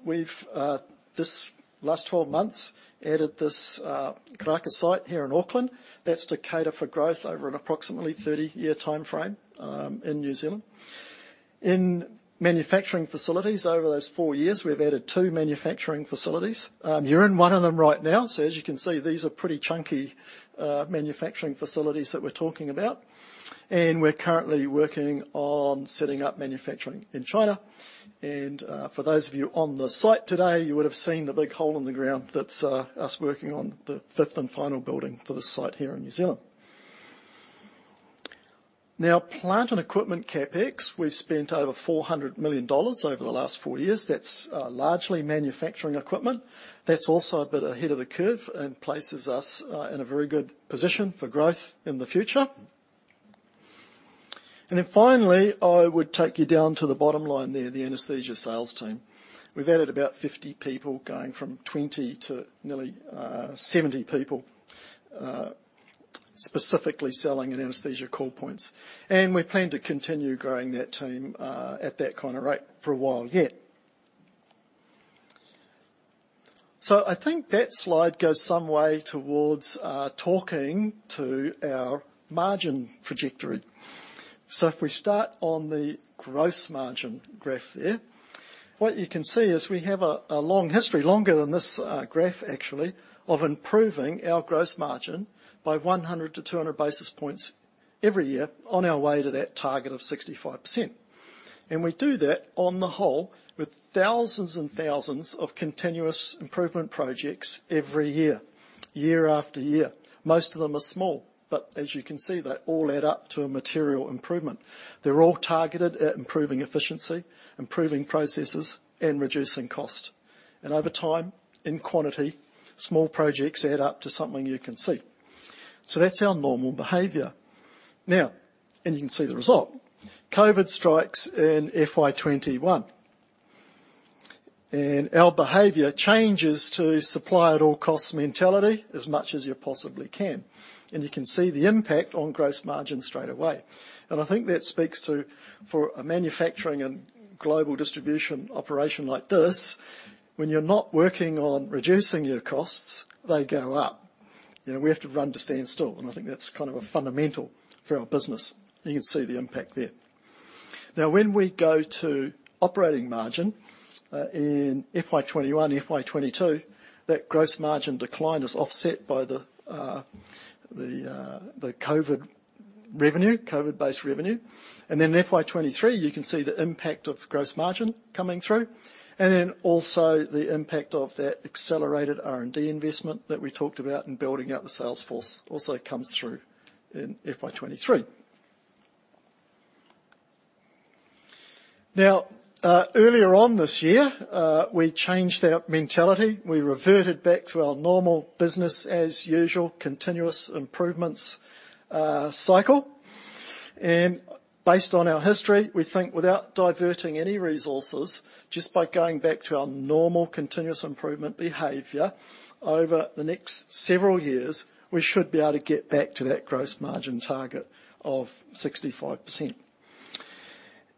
F: We've, this last 12 months, added this, Karaka site here in Auckland. That's to cater for growth over an approximately 30-year timeframe, in New Zealand. In manufacturing facilities, over those 4 years, we've added 2 manufacturing facilities. You're in one of them right now, so as you can see, these are pretty chunky, manufacturing facilities that we're talking about. And we're currently working on setting up manufacturing in China. For those of you on the site today, you would have seen the big hole in the ground. That's us working on the fifth and final building for this site here in New Zealand. Now, plant and equipment CapEx, we've spent over 400 million dollars over the last four years. That's largely manufacturing equipment. That's also a bit ahead of the curve and places us in a very good position for growth in the future. And then finally, I would take you down to the bottom line there, the anesthesia sales team. We've added about 50 people, going from 20 to nearly 70 people, specifically selling in anesthesia call points, and we plan to continue growing that team at that kind of rate for a while yet. So I think that slide goes some way towards talking to our margin trajectory. So if we start on the gross margin graph there, what you can see is we have a long history, longer than this graph, actually, of improving our gross margin by 100 to 200 basis points every year on our way to that target of 65%. And we do that on the whole, with thousands and thousands of continuous improvement projects every year, year after year. Most of them are small, but as you can see, they all add up to a material improvement. They're all targeted at improving efficiency, improving processes, and reducing cost. And over time, in quantity, small projects add up to something you can see. So that's our normal behavior. Now, and you can see the result. COVID strikes in FY 21, and our behavior changes to supply at all costs mentality, as much as you possibly can, and you can see the impact on gross margin straight away. And I think that speaks to, for a manufacturing and global distribution operation like this, when you're not working on reducing your costs, they go up. You know, we have to run to stand still, and I think that's kind of a fundamental for our business. You can see the impact there. Now, when we go to operating margin, in FY 21, FY 22, that gross margin decline is offset by the COVID revenue, COVID-based revenue. Then in FY 2023, you can see the impact of gross margin coming through, and then also the impact of that accelerated R&D investment that we talked about in building out the sales force also comes through in FY 2023. Now, earlier on this year, we changed our mentality. We reverted back to our normal business as usual, continuous improvements cycle. Based on our history, we think without diverting any resources, just by going back to our normal continuous improvement behavior, over the next several years, we should be able to get back to that gross margin target of 65%.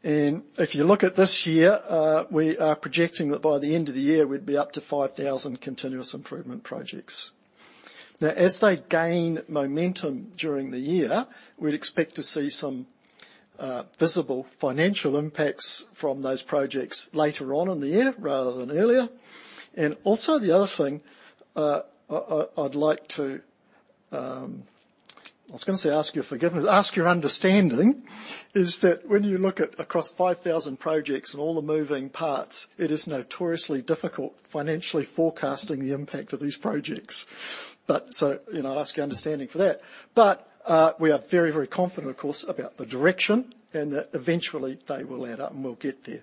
F: If you look at this year, we are projecting that by the end of the year, we'd be up to 5,000 continuous improvement projects. Now, as they gain momentum during the year, we'd expect to see some visible financial impacts from those projects later on in the year rather than earlier. And also, the other thing, I'd like to... I was going to say, ask your forgiveness, ask your understanding, is that when you look at across 5,000 projects and all the moving parts, it is notoriously difficult financially forecasting the impact of these projects. But so, you know, I'll ask your understanding for that. But, we are very, very confident, of course, about the direction and that eventually they will add up, and we'll get there.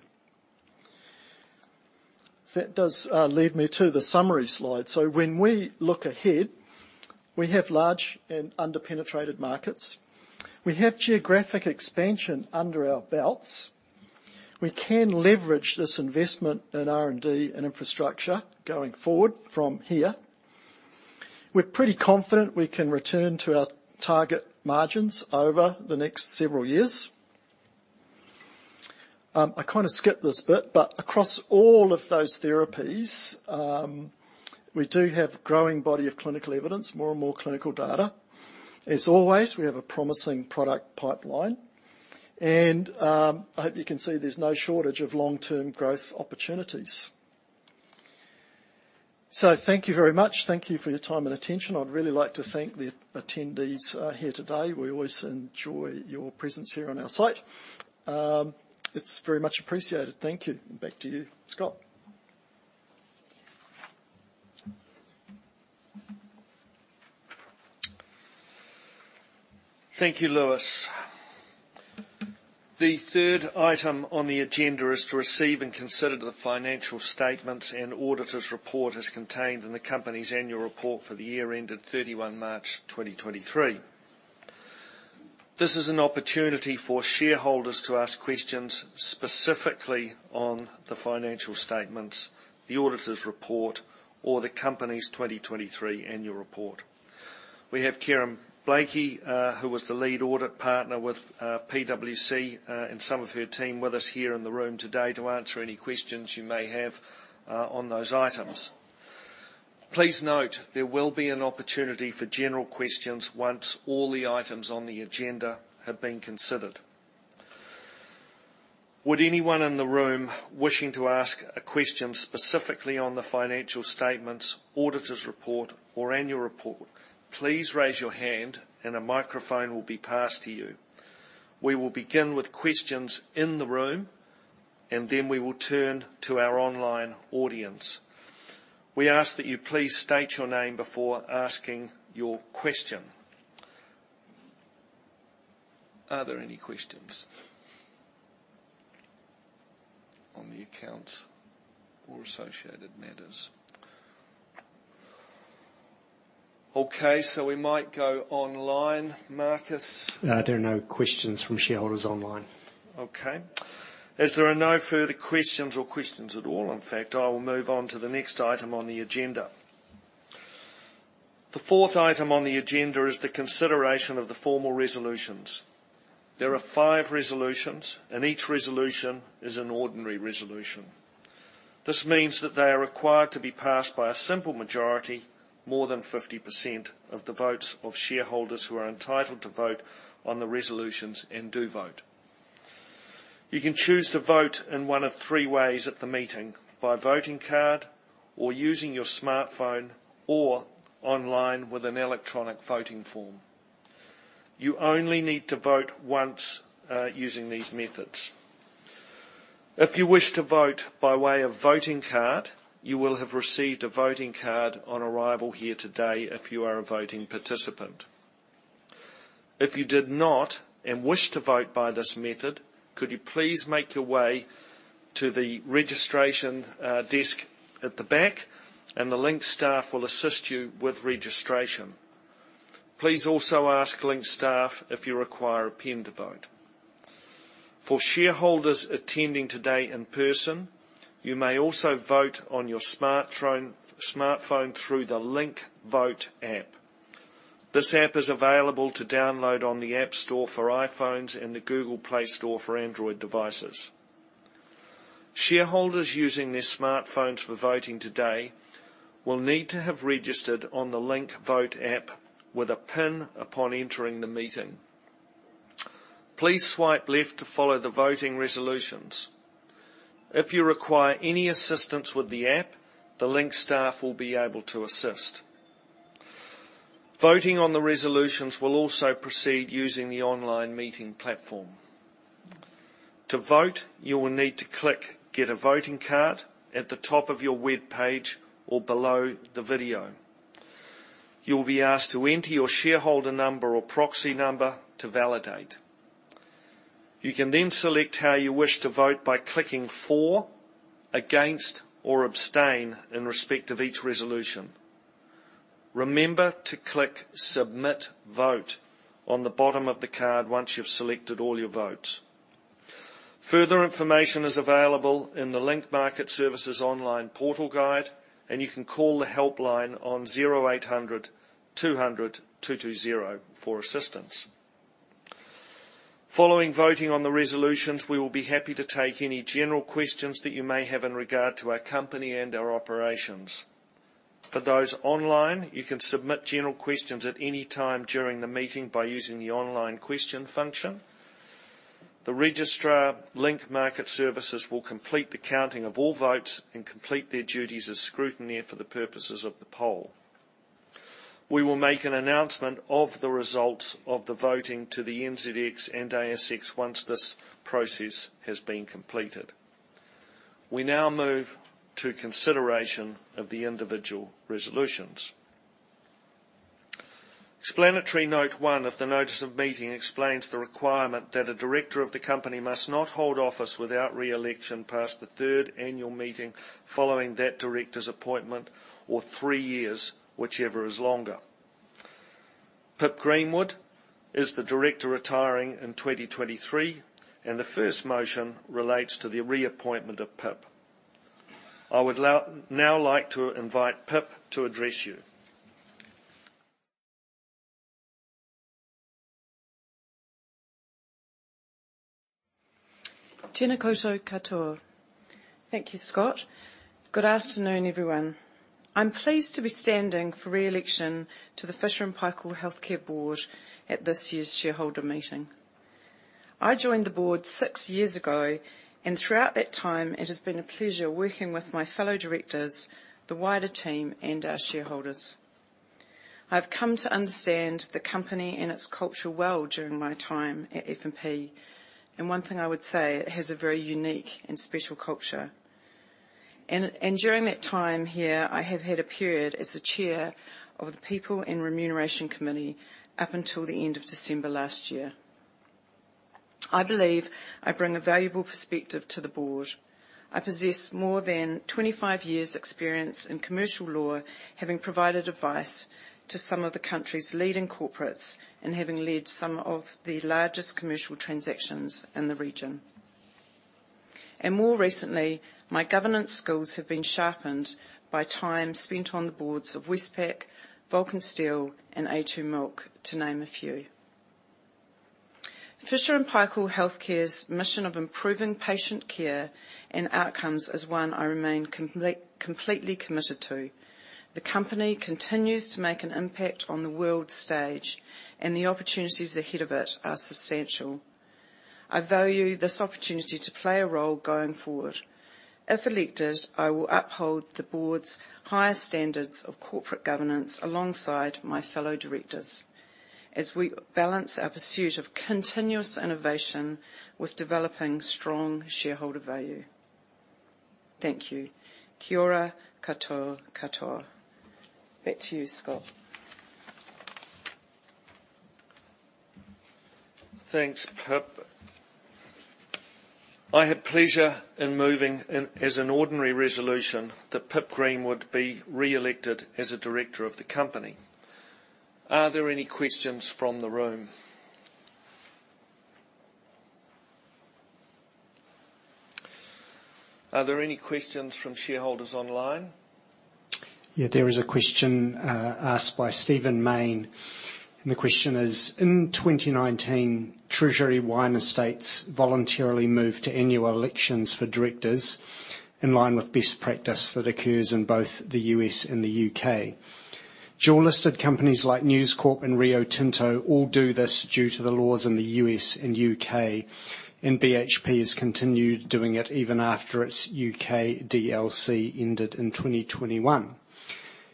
F: So that does lead me to the summary slide. So when we look ahead, we have large and under-penetrated markets. We have geographic expansion under our belts. We can leverage this investment in R&D and infrastructure going forward from here. We're pretty confident we can return to our target margins over the next several years. I kind of skipped this bit, but across all of those therapies, we do have a growing body of clinical evidence, more and more clinical data. As always, we have a promising product pipeline, and, I hope you can see there's no shortage of long-term growth opportunities. So thank you very much. Thank you for your time and attention. I'd really like to thank the attendees, here today. We always enjoy your presence here on our site. It's very much appreciated. Thank you. Back to you, Scott. ...
A: Thank you, Lewis. The third item on the agenda is to receive and consider the financial statements and auditor's report as contained in the company's annual report for the year ended 31 March 2023. This is an opportunity for shareholders to ask questions specifically on the financial statements, the auditor's report, or the company's 2023 annual report. We have Keren Blakey, who was the lead audit partner with PwC, and some of her team with us here in the room today to answer any questions you may have, on those items. Please note, there will be an opportunity for general questions once all the items on the agenda have been considered. Would anyone in the room wishing to ask a question specifically on the financial statements, auditor's report, or annual report, please raise your hand, and a microphone will be passed to you? We will begin with questions in the room, and then we will turn to our online audience. We ask that you please state your name before asking your question. Are there any questions on the accounts or associated matters? Okay, so we might go online, Marcus.
K: There are no questions from shareholders online.
A: Okay. As there are no further questions or questions at all, in fact, I will move on to the next item on the agenda. The fourth item on the agenda is the consideration of the formal resolutions. There are five resolutions, and each resolution is an ordinary resolution. This means that they are required to be passed by a simple majority, more than 50% of the votes of shareholders who are entitled to vote on the resolutions and do vote. You can choose to vote in one of three ways at the meeting: by voting card or using your smartphone or online with an electronic voting form. You only need to vote once, using these methods. If you wish to vote by way of voting card, you will have received a voting card on arrival here today if you are a voting participant. If you did not and wish to vote by this method, could you please make your way to the registration desk at the back, and the Link staff will assist you with registration. Please also ask Link staff if you require a pen to vote. For shareholders attending today in person, you may also vote on your smartphone through the LinkVote app. This app is available to download on the App Store for iPhones and the Google Play Store for Android devices. Shareholders using their smartphones for voting today will need to have registered on the LinkVote app with a PIN upon entering the meeting. Please swipe left to follow the voting resolutions. If you require any assistance with the app, the Link staff will be able to assist. Voting on the resolutions will also proceed using the online meeting platform. To vote, you will need to click Get a Voting Card at the top of your web page or below the video. You will be asked to enter your shareholder number or proxy number to validate. You can then select how you wish to vote by clicking For, Against, or Abstain in respect of each resolution. Remember to click Submit Vote on the bottom of the card once you've selected all your votes. Further information is available in the Link Market Services online portal guide, and you can call the helpline on 0800 200 220 for assistance. Following voting on the resolutions, we will be happy to take any general questions that you may have in regard to our company and our operations. For those online, you can submit general questions at any time during the meeting by using the online question function. The registrar, Link Market Services, will complete the counting of all votes and complete their duties as scrutineer for the purposes of the poll. We will make an announcement of the results of the voting to the NZX and ASX once this process has been completed. We now move to consideration of the individual resolutions. Explanatory note one of the notice of meeting explains the requirement that a director of the company must not hold office without re-election past the third annual meeting following that director's appointment or three years, whichever is longer. Pip Greenwood is the Director retiring in 2023, and the first motion relates to the reappointment of Pip. I would now like to invite Pip to address you.
L: Tena koutou katoa. Thank you, Scott. Good afternoon, everyone. I'm pleased to be standing for re-election to the Fisher & Paykel Healthcare Board at this year's shareholder meeting. I joined the board six years ago, and throughout that time, it has been a pleasure working with my fellow directors, the wider team, and our shareholders. I've come to understand the company and its culture well during my time at F&P, and one thing I would say, it has a very unique and special culture.... And, and during that time here, I have had a period as the Chair of the People and Remuneration Committee up until the end of December last year. I believe I bring a valuable perspective to the board. I possess more than 25 years experience in commercial law, having provided advice to some of the country's leading corporates and having led some of the largest commercial transactions in the region. More recently, my governance skills have been sharpened by time spent on the boards of Westpac, Vulcan Steel, and a2 Milk, to name a few. Fisher & Paykel Healthcare's mission of improving patient care and outcomes is one I remain completely committed to. The company continues to make an impact on the world stage, and the opportunities ahead of it are substantial. I value this opportunity to play a role going forward. If elected, I will uphold the board's highest standards of corporate governance alongside my fellow Directors, as we balance our pursuit of continuous innovation with developing strong shareholder value. Thank you. Kia ora katoa katoa. Back to you, Scott.
A: Thanks, Pip. I had pleasure in moving in, as an ordinary resolution, that Pip Greenwood be re-elected as a director of the company. Are there any questions from the room? Are there any questions from shareholders online?
K: Yeah, there is a question asked by Stephen Mayne, and the question is: "In 2019, Treasury Wine Estates voluntarily moved to annual elections for directors, in line with best practice that occurs in both the U.S. and the U.K. Dual-listed companies like News Corp and Rio Tinto all do this due to the laws in the U.S. and U.K., and BHP has continued doing it even after its UK DLC ended in 2021.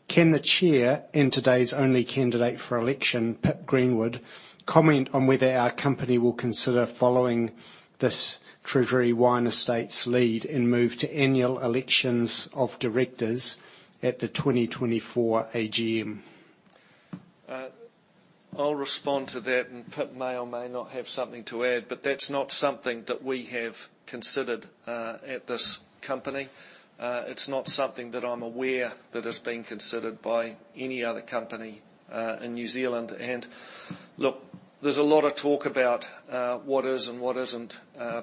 K: Can the chair and today's only candidate for election, Pip Greenwood, comment on whether our company will consider following this Treasury Wine Estates lead and move to annual elections of Directors at the 2024 AGM?
A: I'll respond to that, and Pip may or may not have something to add, but that's not something that we have considered at this company. It's not something that I'm aware that has been considered by any other company in New Zealand. And look, there's a lot of talk about what is and what isn't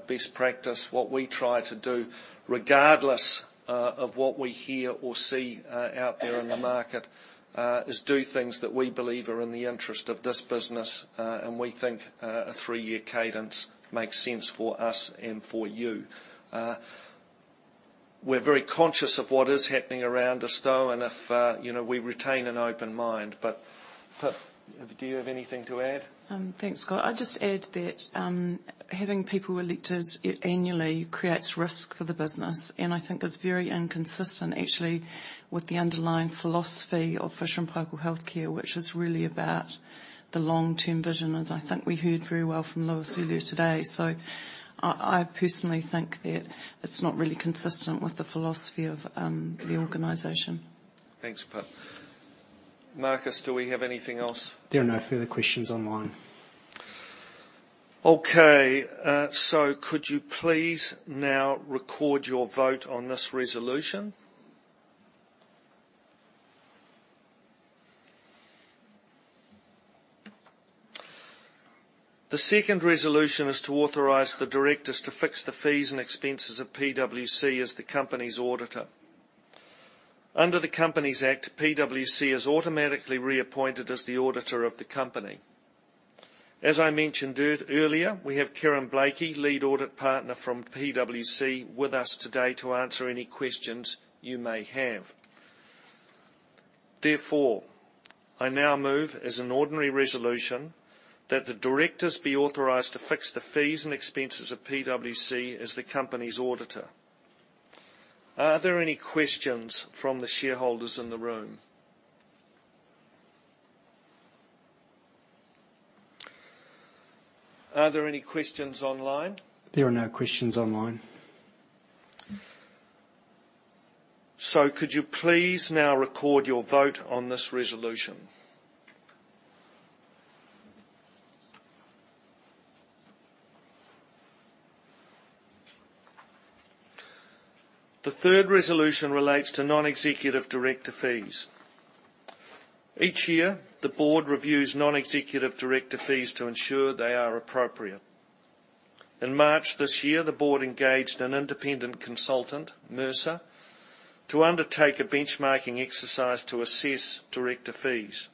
A: best practice. What we try to do, regardless of what we hear or see out there in the market, is do things that we believe are in the interest of this business, and we think a three-year cadence makes sense for us and for you. We're very conscious of what is happening around us, though, and if you know, we retain an open mind. But Pip, do you have anything to add?
L: Thanks, Scott. I'd just add that, having people elected annually creates risk for the business, and I think it's very inconsistent, actually, with the underlying philosophy of Fisher & Paykel Healthcare, which is really about the long-term vision, as I think we heard very well from Lois earlier today. So I personally think that it's not really consistent with the philosophy of, the organization.
A: Thanks, Pip. Marcus, do we have anything else?
K: There are no further questions online.
A: Okay, so could you please now record your vote on this resolution? The second resolution is to authorize the directors to fix the fees and expenses of PwC as the company's auditor. Under the Companies Act, PwC is automatically reappointed as the auditor of the company. As I mentioned earlier, we have Kieran Blakey, lead audit partner from PwC, with us today to answer any questions you may have. Therefore, I now move as an ordinary resolution that the directors be authorized to fix the fees and expenses of PwC as the company's auditor. Are there any questions from the shareholders in the room? Are there any questions online?
K: There are no questions online.
A: So could you please now record your vote on this resolution? The third resolution relates to non-executive director fees. Each year, the board reviews non-executive director fees to ensure they are appropriate. In March this year, the board engaged an independent consultant, Mercer, to undertake a benchmarking exercise to assess director fees.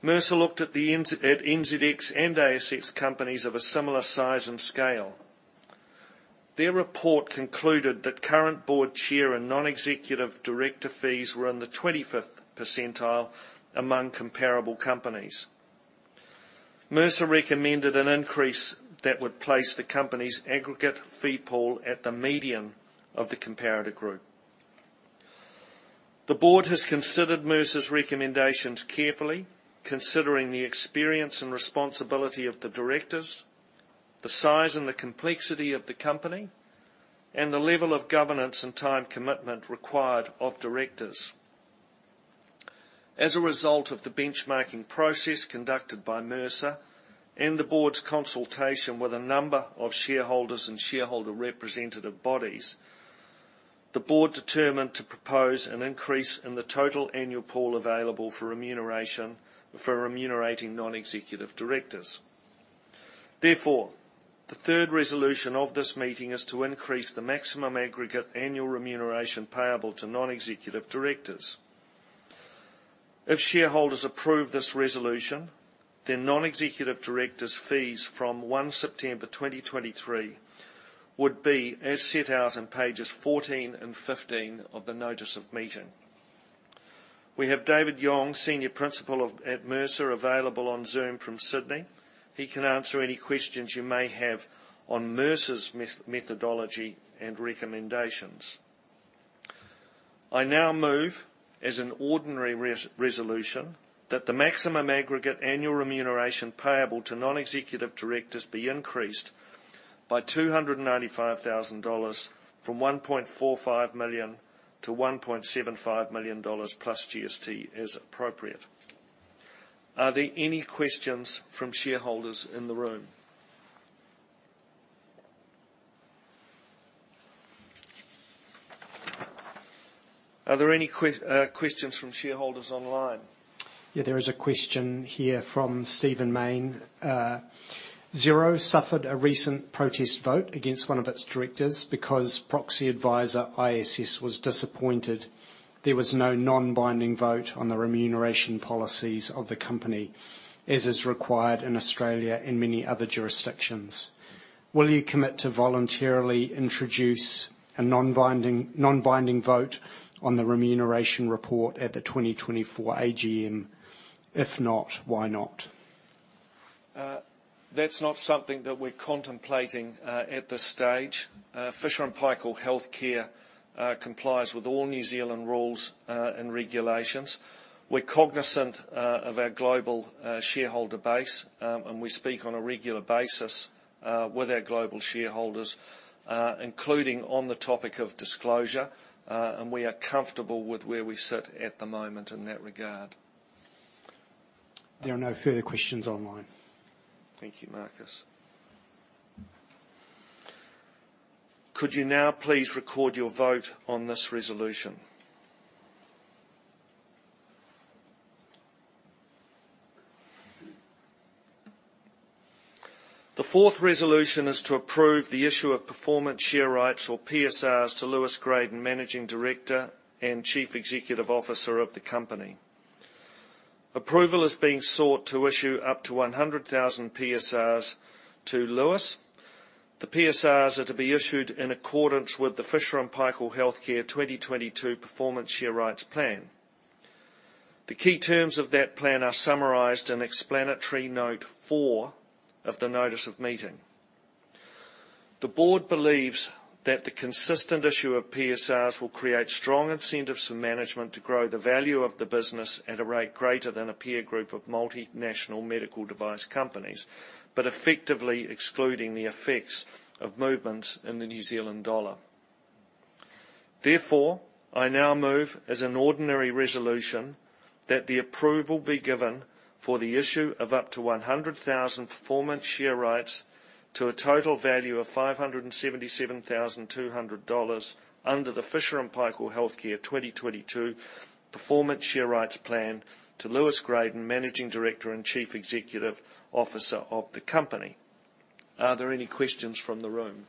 A: Mercer looked at the NZX and ASX companies of a similar size and scale. Their report concluded that current board chair and non-executive director fees were in the 25th percentile among comparable companies. Mercer recommended an increase that would place the company's aggregate fee pool at the median of the comparator group. The board has considered Mercer's recommendations carefully, considering the experience and responsibility of the directors, the size and the complexity of the company, and the level of governance and time commitment required of directors. As a result of the benchmarking process conducted by Mercer and the board's consultation with a number of shareholders and shareholder representative bodies, the board determined to propose an increase in the total annual pool available for remuneration, for remunerating non-executive directors. Therefore, the third resolution of this meeting is to increase the maximum aggregate annual remuneration payable to non-executive directors. If shareholders approve this resolution, then non-executive directors' fees from 1 September 2023 would be as set out in pages 14 and 15 of the notice of meeting. We have David Yong, Senior Principal at Mercer, available on Zoom from Sydney. He can answer any questions you may have on Mercer's methodology and recommendations. I now move as an ordinary resolution, that the maximum aggregate annual remuneration payable to non-executive directors be increased by 295,000 dollars, from 1.45 million to 1.75 million dollars plus GST, as appropriate. Are there any questions from shareholders in the room? Are there any questions from shareholders online?
K: Yeah, there is a question here from Steven Main. Xero suffered a recent protest vote against one of its directors because proxy advisor, ISS, was disappointed there was no non-binding vote on the remuneration policies of the company, as is required in Australia and many other jurisdictions. Will you commit to voluntarily introduce a non-binding, non-binding vote on the remuneration report at the 2024 AGM? If not, why not?
A: That's not something that we're contemplating at this stage. Fisher & Paykel Healthcare complies with all New Zealand rules and regulations. We're cognizant of our global shareholder base, and we speak on a regular basis with our global shareholders, including on the topic of disclosure, and we are comfortable with where we sit at the moment in that regard.
K: There are no further questions online.
A: Thank you, Marcus. Could you now please record your vote on this resolution? The fourth resolution is to approve the issue of performance share rights or PSRs to Lewis Gradon, Managing Director and Chief Executive Officer of the company. Approval is being sought to issue up to 100,000 PSRs to Lewis. The PSRs are to be issued in accordance with the Fisher & Paykel Healthcare 2022 performance share rights plan. The key terms of that plan are summarized in explanatory note 4 of the notice of meeting. The board believes that the consistent issue of PSRs will create strong incentives for management to grow the value of the business at a rate greater than a peer group of multinational medical device companies, but effectively excluding the effects of movements in the New Zealand dollar. Therefore, I now move as an ordinary resolution, that the approval be given for the issue of up to 100,000 performance share rights to a total value of 577,200 dollars under the Fisher & Paykel Healthcare 2022 Performance Share Rights Plan to Lewis Gradon, Managing Director and Chief Executive Officer of the company. Are there any questions from the room?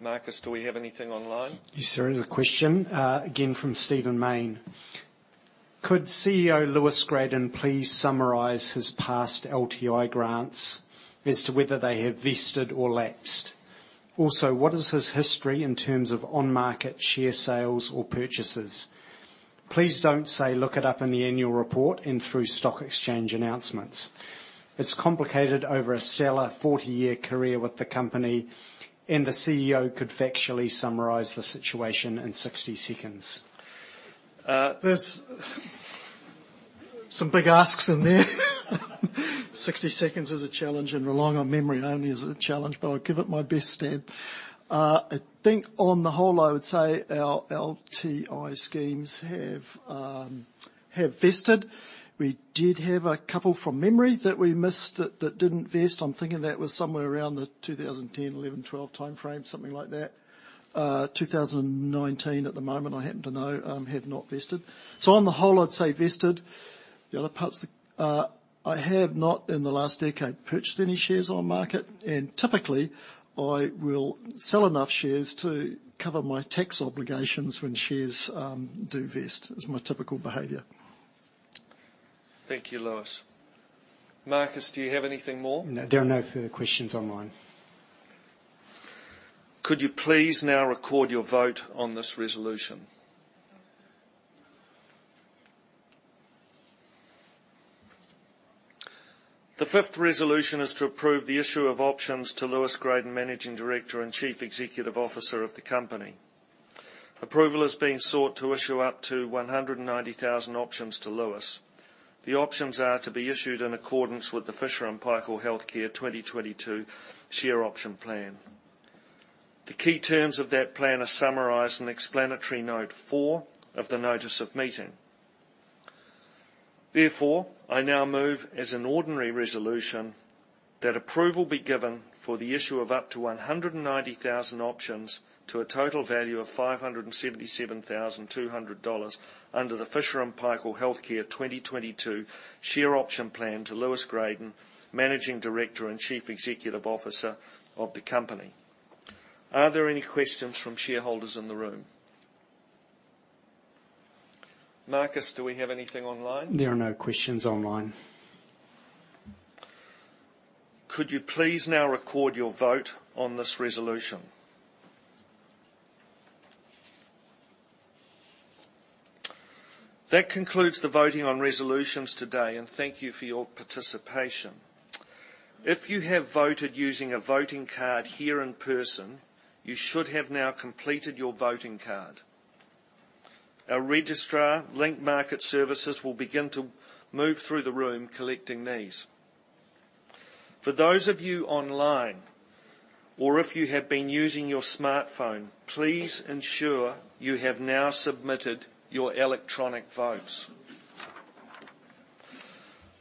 A: Marcus, do we have anything online?
K: Yes, there is a question from Steven Main. Could CEO Lewis Gradon please summarize his past LTI grants as to whether they have vested or lapsed? Also, what is his history in terms of on-market share sales or purchases? Please don't say, "Look it up in the annual report and through stock exchange announcements." It's complicated over a stellar 40-year career with the company, and the CEO could factually summarize the situation in 60 seconds.
F: There's some big asks in there. 60 seconds is a challenge, and relying on memory only is a challenge, but I'll give it my best stab. I think on the whole, I would say our LTI schemes have, have vested. We did have a couple from memory that we missed that, that didn't vest. I'm thinking that was somewhere around the 2010, 11, 12 timeframe, something like that. Two thousand and nineteen, at the moment, I happen to know, have not vested. So on the whole, I'd say vested. The other parts, I have not, in the last decade, purchased any shares on market, and typically, I will sell enough shares to cover my tax obligations when shares, do vest, is my typical behavior.
A: Thank you, Lewis. Marcus, do you have anything more?
K: No, there are no further questions online.
A: Could you please now record your vote on this resolution? The fifth resolution is to approve the issue of options to Lewis Gradon, Managing Director and Chief Executive Officer of the company. Approval is being sought to issue up to 190,000 options to Lewis. The options are to be issued in accordance with the Fisher & Paykel Healthcare 2022 share option plan. The key terms of that plan are summarized in explanatory note 4 of the notice of meeting. Therefore, I now move as an ordinary resolution that approval be given for the issue of up to 190,000 options to a total value of 577,200 dollars under the Fisher & Paykel Healthcare 2022 share option plan to Lewis Gradon, Managing Director and Chief Executive Officer of the company. Are there any questions from shareholders in the room? Marcus, do we have anything online?
K: There are no questions online.
A: Could you please now record your vote on this resolution? That concludes the voting on resolutions today, and thank you for your participation. If you have voted using a voting card here in person, you should have now completed your voting card. Our registrar, Link Market Services, will begin to move through the room collecting these. For those of you online, or if you have been using your smartphone, please ensure you have now submitted your electronic votes.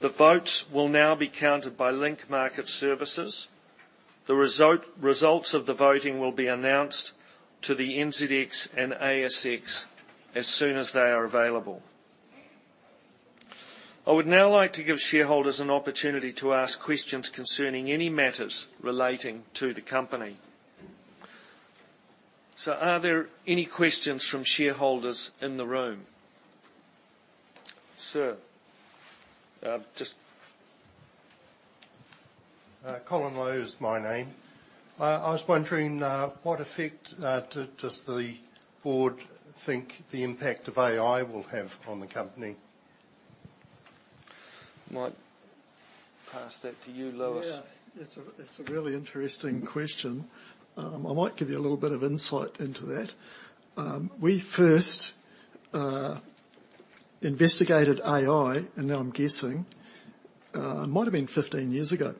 A: The votes will now be counted by Link Market Services. The results of the voting will be announced to the NZX and ASX as soon as they are available. I would now like to give shareholders an opportunity to ask questions concerning any matters relating to the company. So are there any questions from shareholders in the room? Sir, just-
M: Colin Lowe is my name. I was wondering, what effect does the Board think the impact of AI will have on the company?
A: Might pass that to you, Lewis.
F: Yeah, it's a really interesting question. I might give you a little bit of insight into that. We first investigated AI, and now I'm guessing it might have been 15 years ago.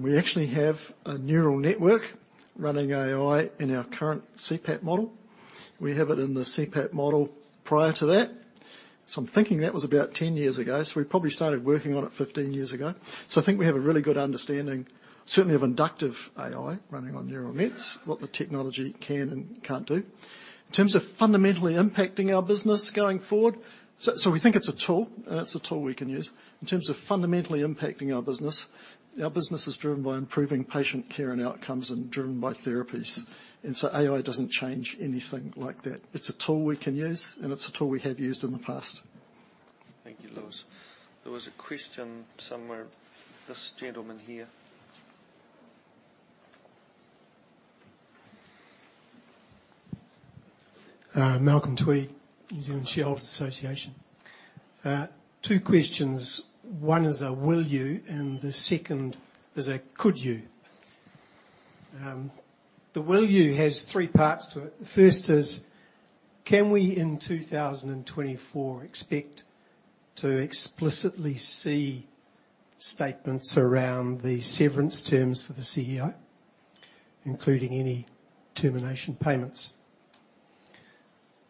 F: We actually have a neural network running AI in our current CPAP model. We have it in the CPAP model prior to that. So I'm thinking that was about 10 years ago, so we probably started working on it 15 years ago. So I think we have a really good understanding, certainly of inductive AI running on neural nets, what the technology can and can't do. In terms of fundamentally impacting our business going forward, so we think it's a tool, and it's a tool we can use. In terms of fundamentally impacting our business, our business is driven by improving patient care and outcomes and driven by therapies, and so AI doesn't change anything like that. It's a tool we can use, and it's a tool we have used in the past.
A: Thank you, Lewis. There was a question somewhere. This gentleman here.
N: Malcolm Tweed, New Zealand Shareholders Association. Two questions. One is a will you, and the second is a could you? The will you has three parts to it. The first is: can we, in 2024, expect to explicitly see statements around the severance terms for the CEO, including any termination payments?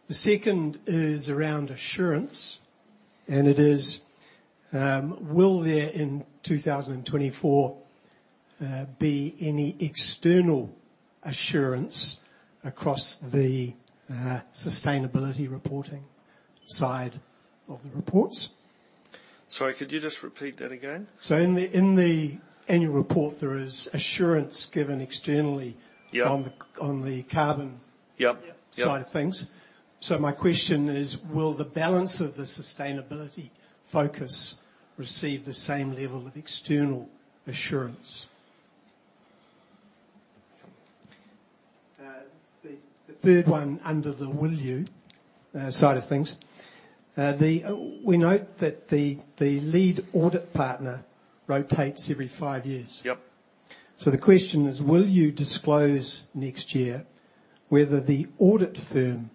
N: The second is around assurance, and it is: will there, in 2024, be any external assurance across the, sustainability reporting side of the reports?
A: Sorry, could you just repeat that again?
N: So in the annual report, there is assurance given externally-
A: Yeah...
N: on the carbon-
A: Yep, yep
N: -side of things. So my question is: will the balance of the sustainability focus receive the same level of external assurance? The third one, under the will you, side of things, the. We note that the lead audit partner rotates every five years.
A: Yep.
N: The question is: will you disclose next year whether the audit firm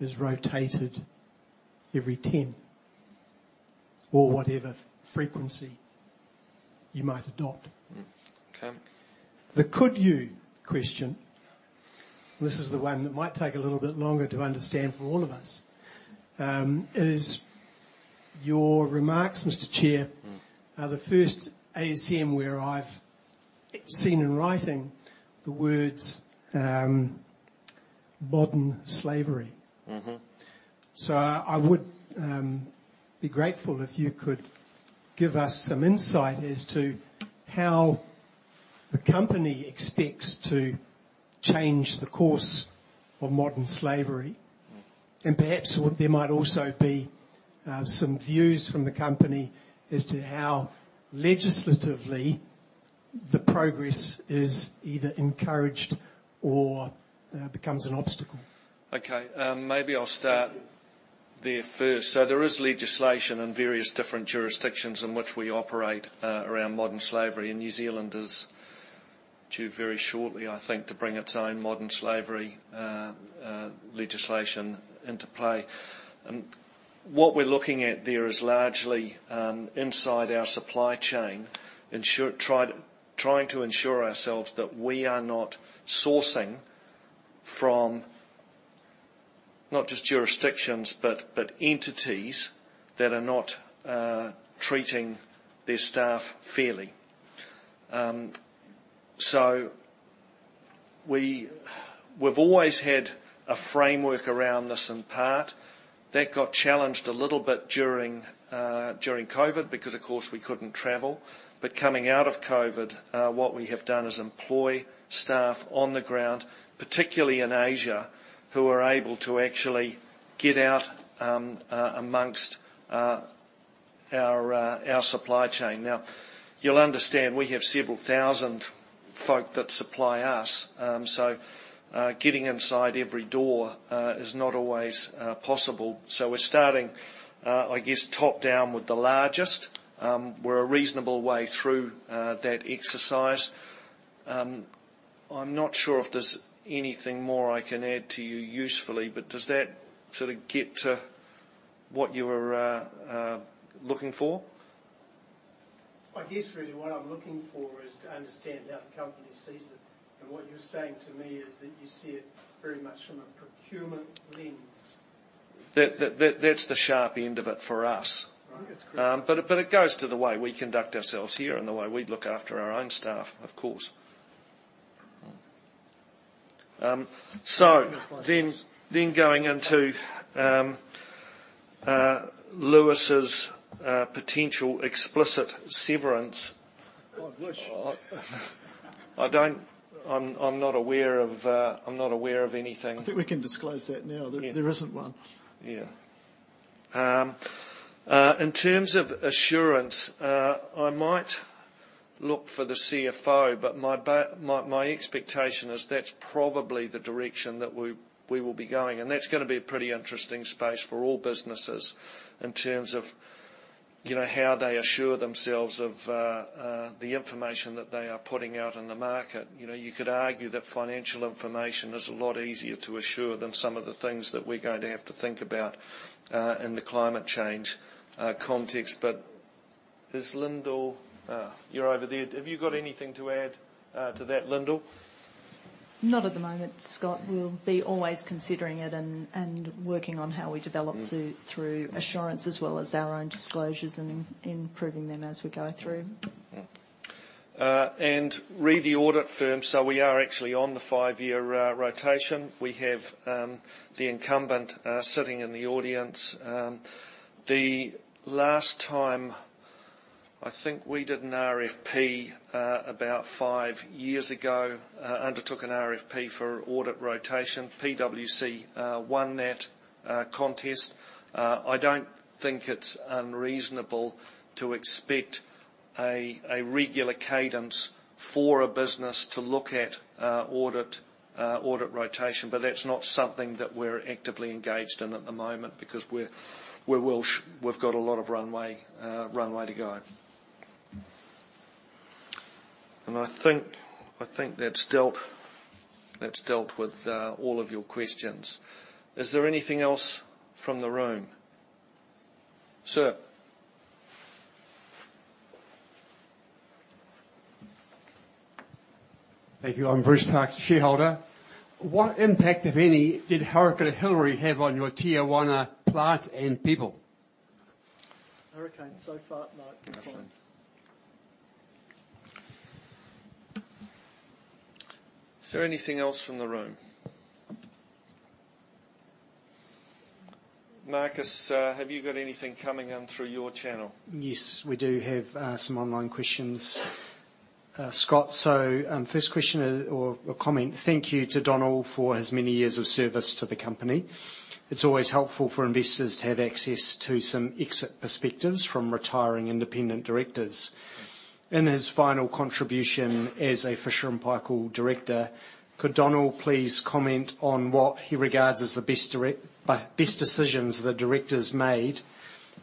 N: is rotated every 10 or whatever frequency you might adopt?
A: Mm, okay.
N: The could you question, this is the one that might take a little bit longer to understand for all of us, is your remarks, Mr. Chair-
A: Mm.
N: Are the first ASM where I've seen in writing the words, modern slavery.
A: Mm-hmm.
N: So I would be grateful if you could give us some insight as to how the company expects to change the course of modern slavery.
A: Mm.
N: Perhaps there might also be some views from the company as to how legislatively the progress is either encouraged or becomes an obstacle.
A: Okay, maybe I'll start there first. So there is legislation in various different jurisdictions in which we operate around modern slavery, and New Zealand is due very shortly, I think, to bring its own modern slavery legislation into play. And what we're looking at there is largely inside our supply chain, trying to ensure ourselves that we are not sourcing from not just jurisdictions, but entities that are not treating their staff fairly. So we, we've always had a framework around this in part. That got challenged a little bit during COVID, because, of course, we couldn't travel. But coming out of COVID, what we have done is employ staff on the ground, particularly in Asia, who are able to actually get out amongst our supply chain. Now, you'll understand we have several thousand folk that supply us. So, getting inside every door is not always possible. So we're starting, I guess, top down with the largest. We're a reasonable way through that exercise. I'm not sure if there's anything more I can add to you usefully, but does that sort of get to what you were looking for?
N: I guess really what I'm looking for is to understand how the company sees it, and what you're saying to me is that you see it very much from a procurement lens.
A: That's the sharp end of it for us.
N: Right. That's great.
A: But it goes to the way we conduct ourselves here and the way we look after our own staff, of course. Then going into Lewis's potential explicit severance-
N: I wish.
A: I don't... I'm not aware of anything.
E: I think we can disclose that now.
A: Yeah.
E: There, there isn't one.
A: Yeah. In terms of assurance, I might look for the CFO, but my, my expectation is that's probably the direction that we, we will be going, and that's gonna be a pretty interesting space for all businesses in terms of, you know, how they assure themselves of, the information that they are putting out in the market. You know, you could argue that financial information is a lot easier to assure than some of the things that we're going to have to think about, in the climate change, context. But is Lyndal... You're over there. Have you got anything to add, to that, Lyndal?
O: Not at the moment, Scott. We'll be always considering it and working on how we develop through-
A: Yeah...
O: through assurance, as well as our own disclosures and improving them as we go through.
A: Yeah. And re the audit firm, so we are actually on the five-year rotation. We have the incumbent sitting in the audience. The last time, I think we did an RFP about five years ago, undertook an RFP for audit rotation. PwC won that contest. I don't think it's unreasonable to expect a regular cadence for a business to look at audit rotation, but that's not something that we're actively engaged in at the moment because we've got a lot of runway to go. And I think that's dealt with all of your questions. Is there anything else from the room? Sir?
P: Thank you. I'm Bruce Parks, shareholder. What impact, if any, did Hurricane Hilary have on your Tijuana plant and people?
N: Hurricane, so far, none.
A: Is there anything else from the room? Marcus, have you got anything coming in through your channel?
K: Yes, we do have some online questions, Scott. So, first question is or a comment: Thank you to Donal for his many years of service to the company. It's always helpful for investors to have access to some exit perspectives from retiring independent directors. In his final contribution as a Fisher & Paykel director, could Donal please comment on what he regards as the best decisions the Directors made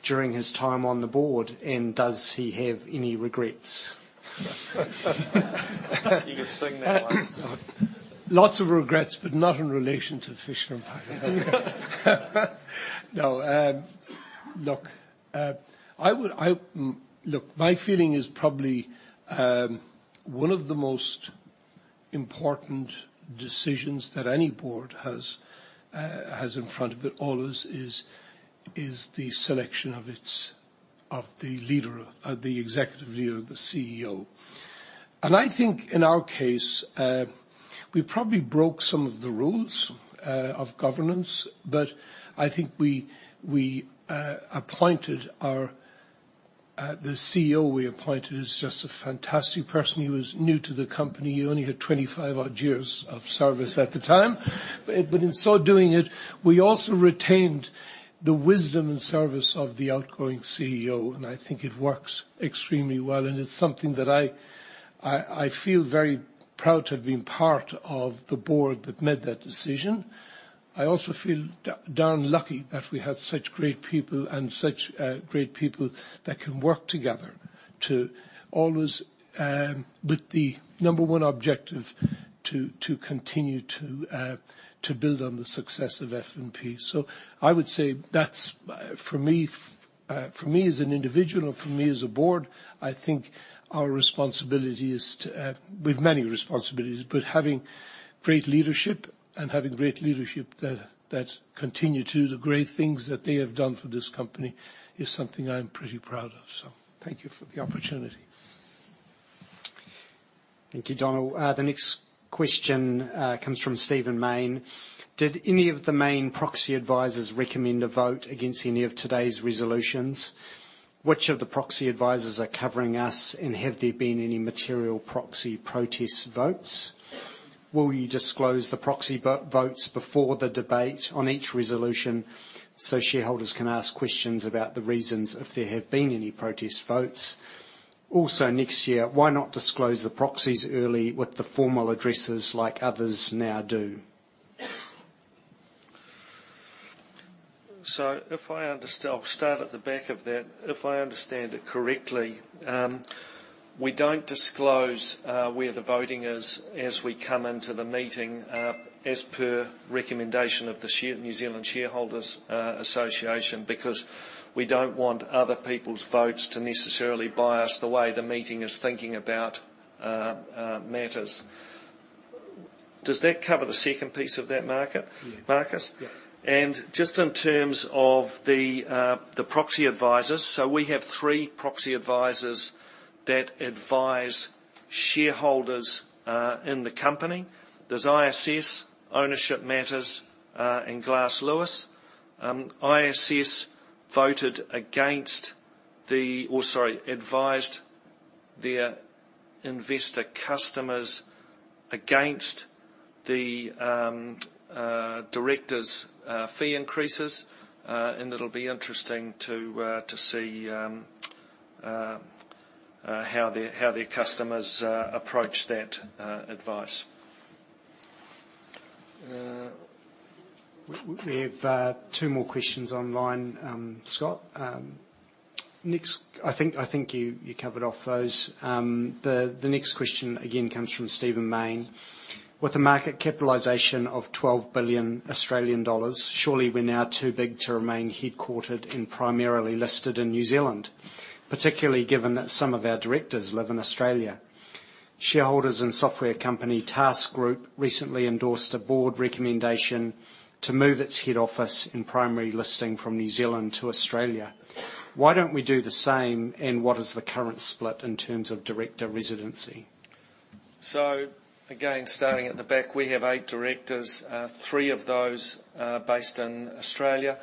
K: during his time on the board, and does he have any regrets?
A: You can sing that one.
E: Lots of regrets, but not in relation to Fisher & Paykel. No, look, I would... I, look, my feeling is probably, one of the most important decisions that any board has, has in front of it always is, is the selection of its, of the leader, of the executive leader, the CEO. And I think in our case, we probably broke some of the rules, of governance, but I think we, we, appointed our, the CEO we appointed is just a fantastic person. He was new to the company. He only had 25 odd years of service at the time. But, but in so doing it, we also retained the wisdom and service of the outgoing CEO, and I think it works extremely well, and it's something that I, I, I feel very-... Proud to have been part of the board that made that decision. I also feel darn lucky that we have such great people, and such great people that can work together to always with the number one objective, to continue to build on the success of F&P. So I would say that's for me, for me as an individual and for me as a board, I think our responsibility is to we've many responsibilities, but having great leadership and having great leadership that continue to do the great things that they have done for this company, is something I'm pretty proud of. So thank you for the opportunity.
K: Thank you, Donal. The next question comes from Steven Main. "Did any of the main proxy advisors recommend a vote against any of today's resolutions? Which of the proxy advisors are covering us? And have there been any material proxy protest votes? Will you disclose the proxy vote, votes before the debate on each resolution, so shareholders can ask questions about the reasons if there have been any protest votes? Also, next year, why not disclose the proxies early with the formal addresses, like others now do?
A: I'll start at the back of that. If I understand it correctly, we don't disclose where the voting is as we come into the meeting, as per recommendation of the New Zealand Shareholders Association, because we don't want other people's votes to necessarily bias the way the meeting is thinking about matters. Does that cover the second piece of that, Marcus-
K: Yeah.
A: - Marcus?
K: Yeah.
A: And just in terms of the proxy advisors, so we have three proxy advisors that advise shareholders in the company. There's ISS, Ownership Matters, and Glass Lewis. ISS voted against the... Or sorry, advised their investor customers against the directors' fee increases. And it'll be interesting to see how their customers approach that advice.
K: We have two more questions online, Scott. Next, I think you covered off those. The next question again comes from Steven Main. "With a market capitalization of 12 billion Australian dollars, surely we're now too big to remain headquartered and primarily listed in New Zealand, particularly given that some of our directors live in Australia. Shareholders and software company, TASK Group, recently endorsed a board recommendation to move its head office and primary listing from New Zealand to Australia. Why don't we do the same, and what is the current split in terms of director residency?
A: So again, starting at the back, we have eight directors, three of those based in Australia.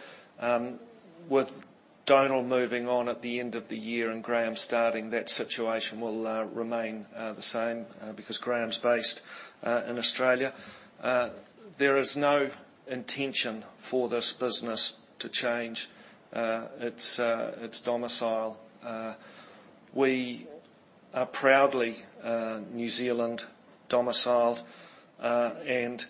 A: With Donal moving on at the end of the year and Graham starting, that situation will remain the same because Graham's based in Australia. There is no intention for this business to change its domicile. We are proudly New Zealand domiciled. And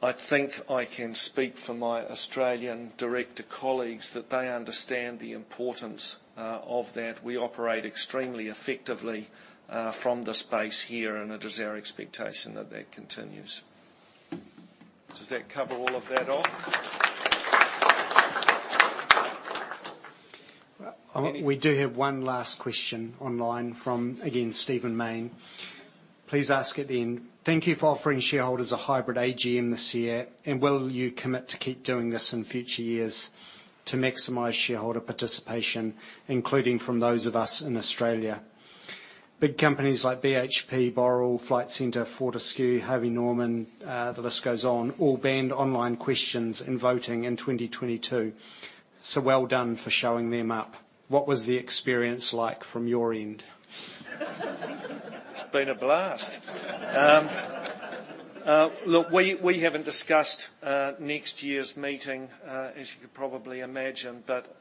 A: I think I can speak for my Australian director colleagues, that they understand the importance of that. We operate extremely effectively from this base here, and it is our expectation that that continues. Does that cover all of that, Ol?
K: We do have one last question online from, again, Stephen Mayne. Please ask it then. "Thank you for offering shareholders a hybrid AGM this year, and will you commit to keep doing this in future years to maximize shareholder participation, including from those of us in Australia? Big companies like BHP, Boral, Flight Centre, Fortescue, Harvey Norman, the list goes on, all banned online questions and voting in 2022. So well done for showing them up. What was the experience like from your end?
A: It's been a blast. Look, we haven't discussed next year's meeting, as you can probably imagine, but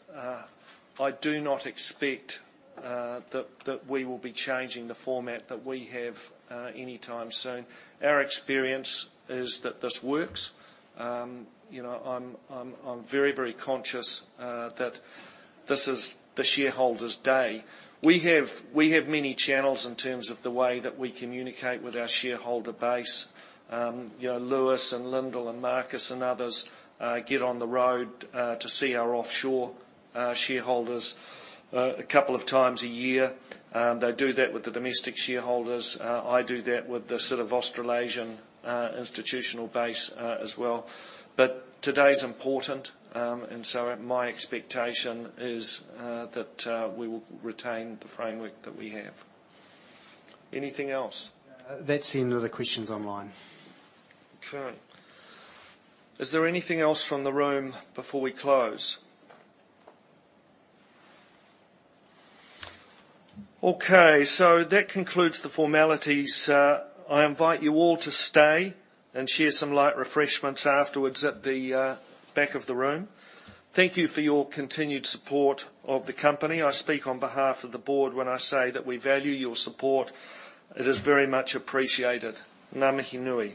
A: I do not expect that we will be changing the format that we have anytime soon. Our experience is that this works. You know, I'm very conscious that this is the shareholders' day. We have many channels in terms of the way that we communicate with our shareholder base. You know, Lewis and Lyndal and Marcus, and others get on the road to see our offshore shareholders a couple of times a year. They do that with the domestic shareholders. I do that with the sort of Australasian institutional base, as well. But today is important, and so my expectation is that we will retain the framework that we have. Anything else?
K: That's the end of the questions online.
A: Okay. Is there anything else from the room before we close? Okay, so that concludes the formalities. I invite you all to stay and share some light refreshments afterwards at the back of the room. Thank you for your continued support of the company. I speak on behalf of the board when I say that we value your support. It is very much appreciated. Nga mihi nui.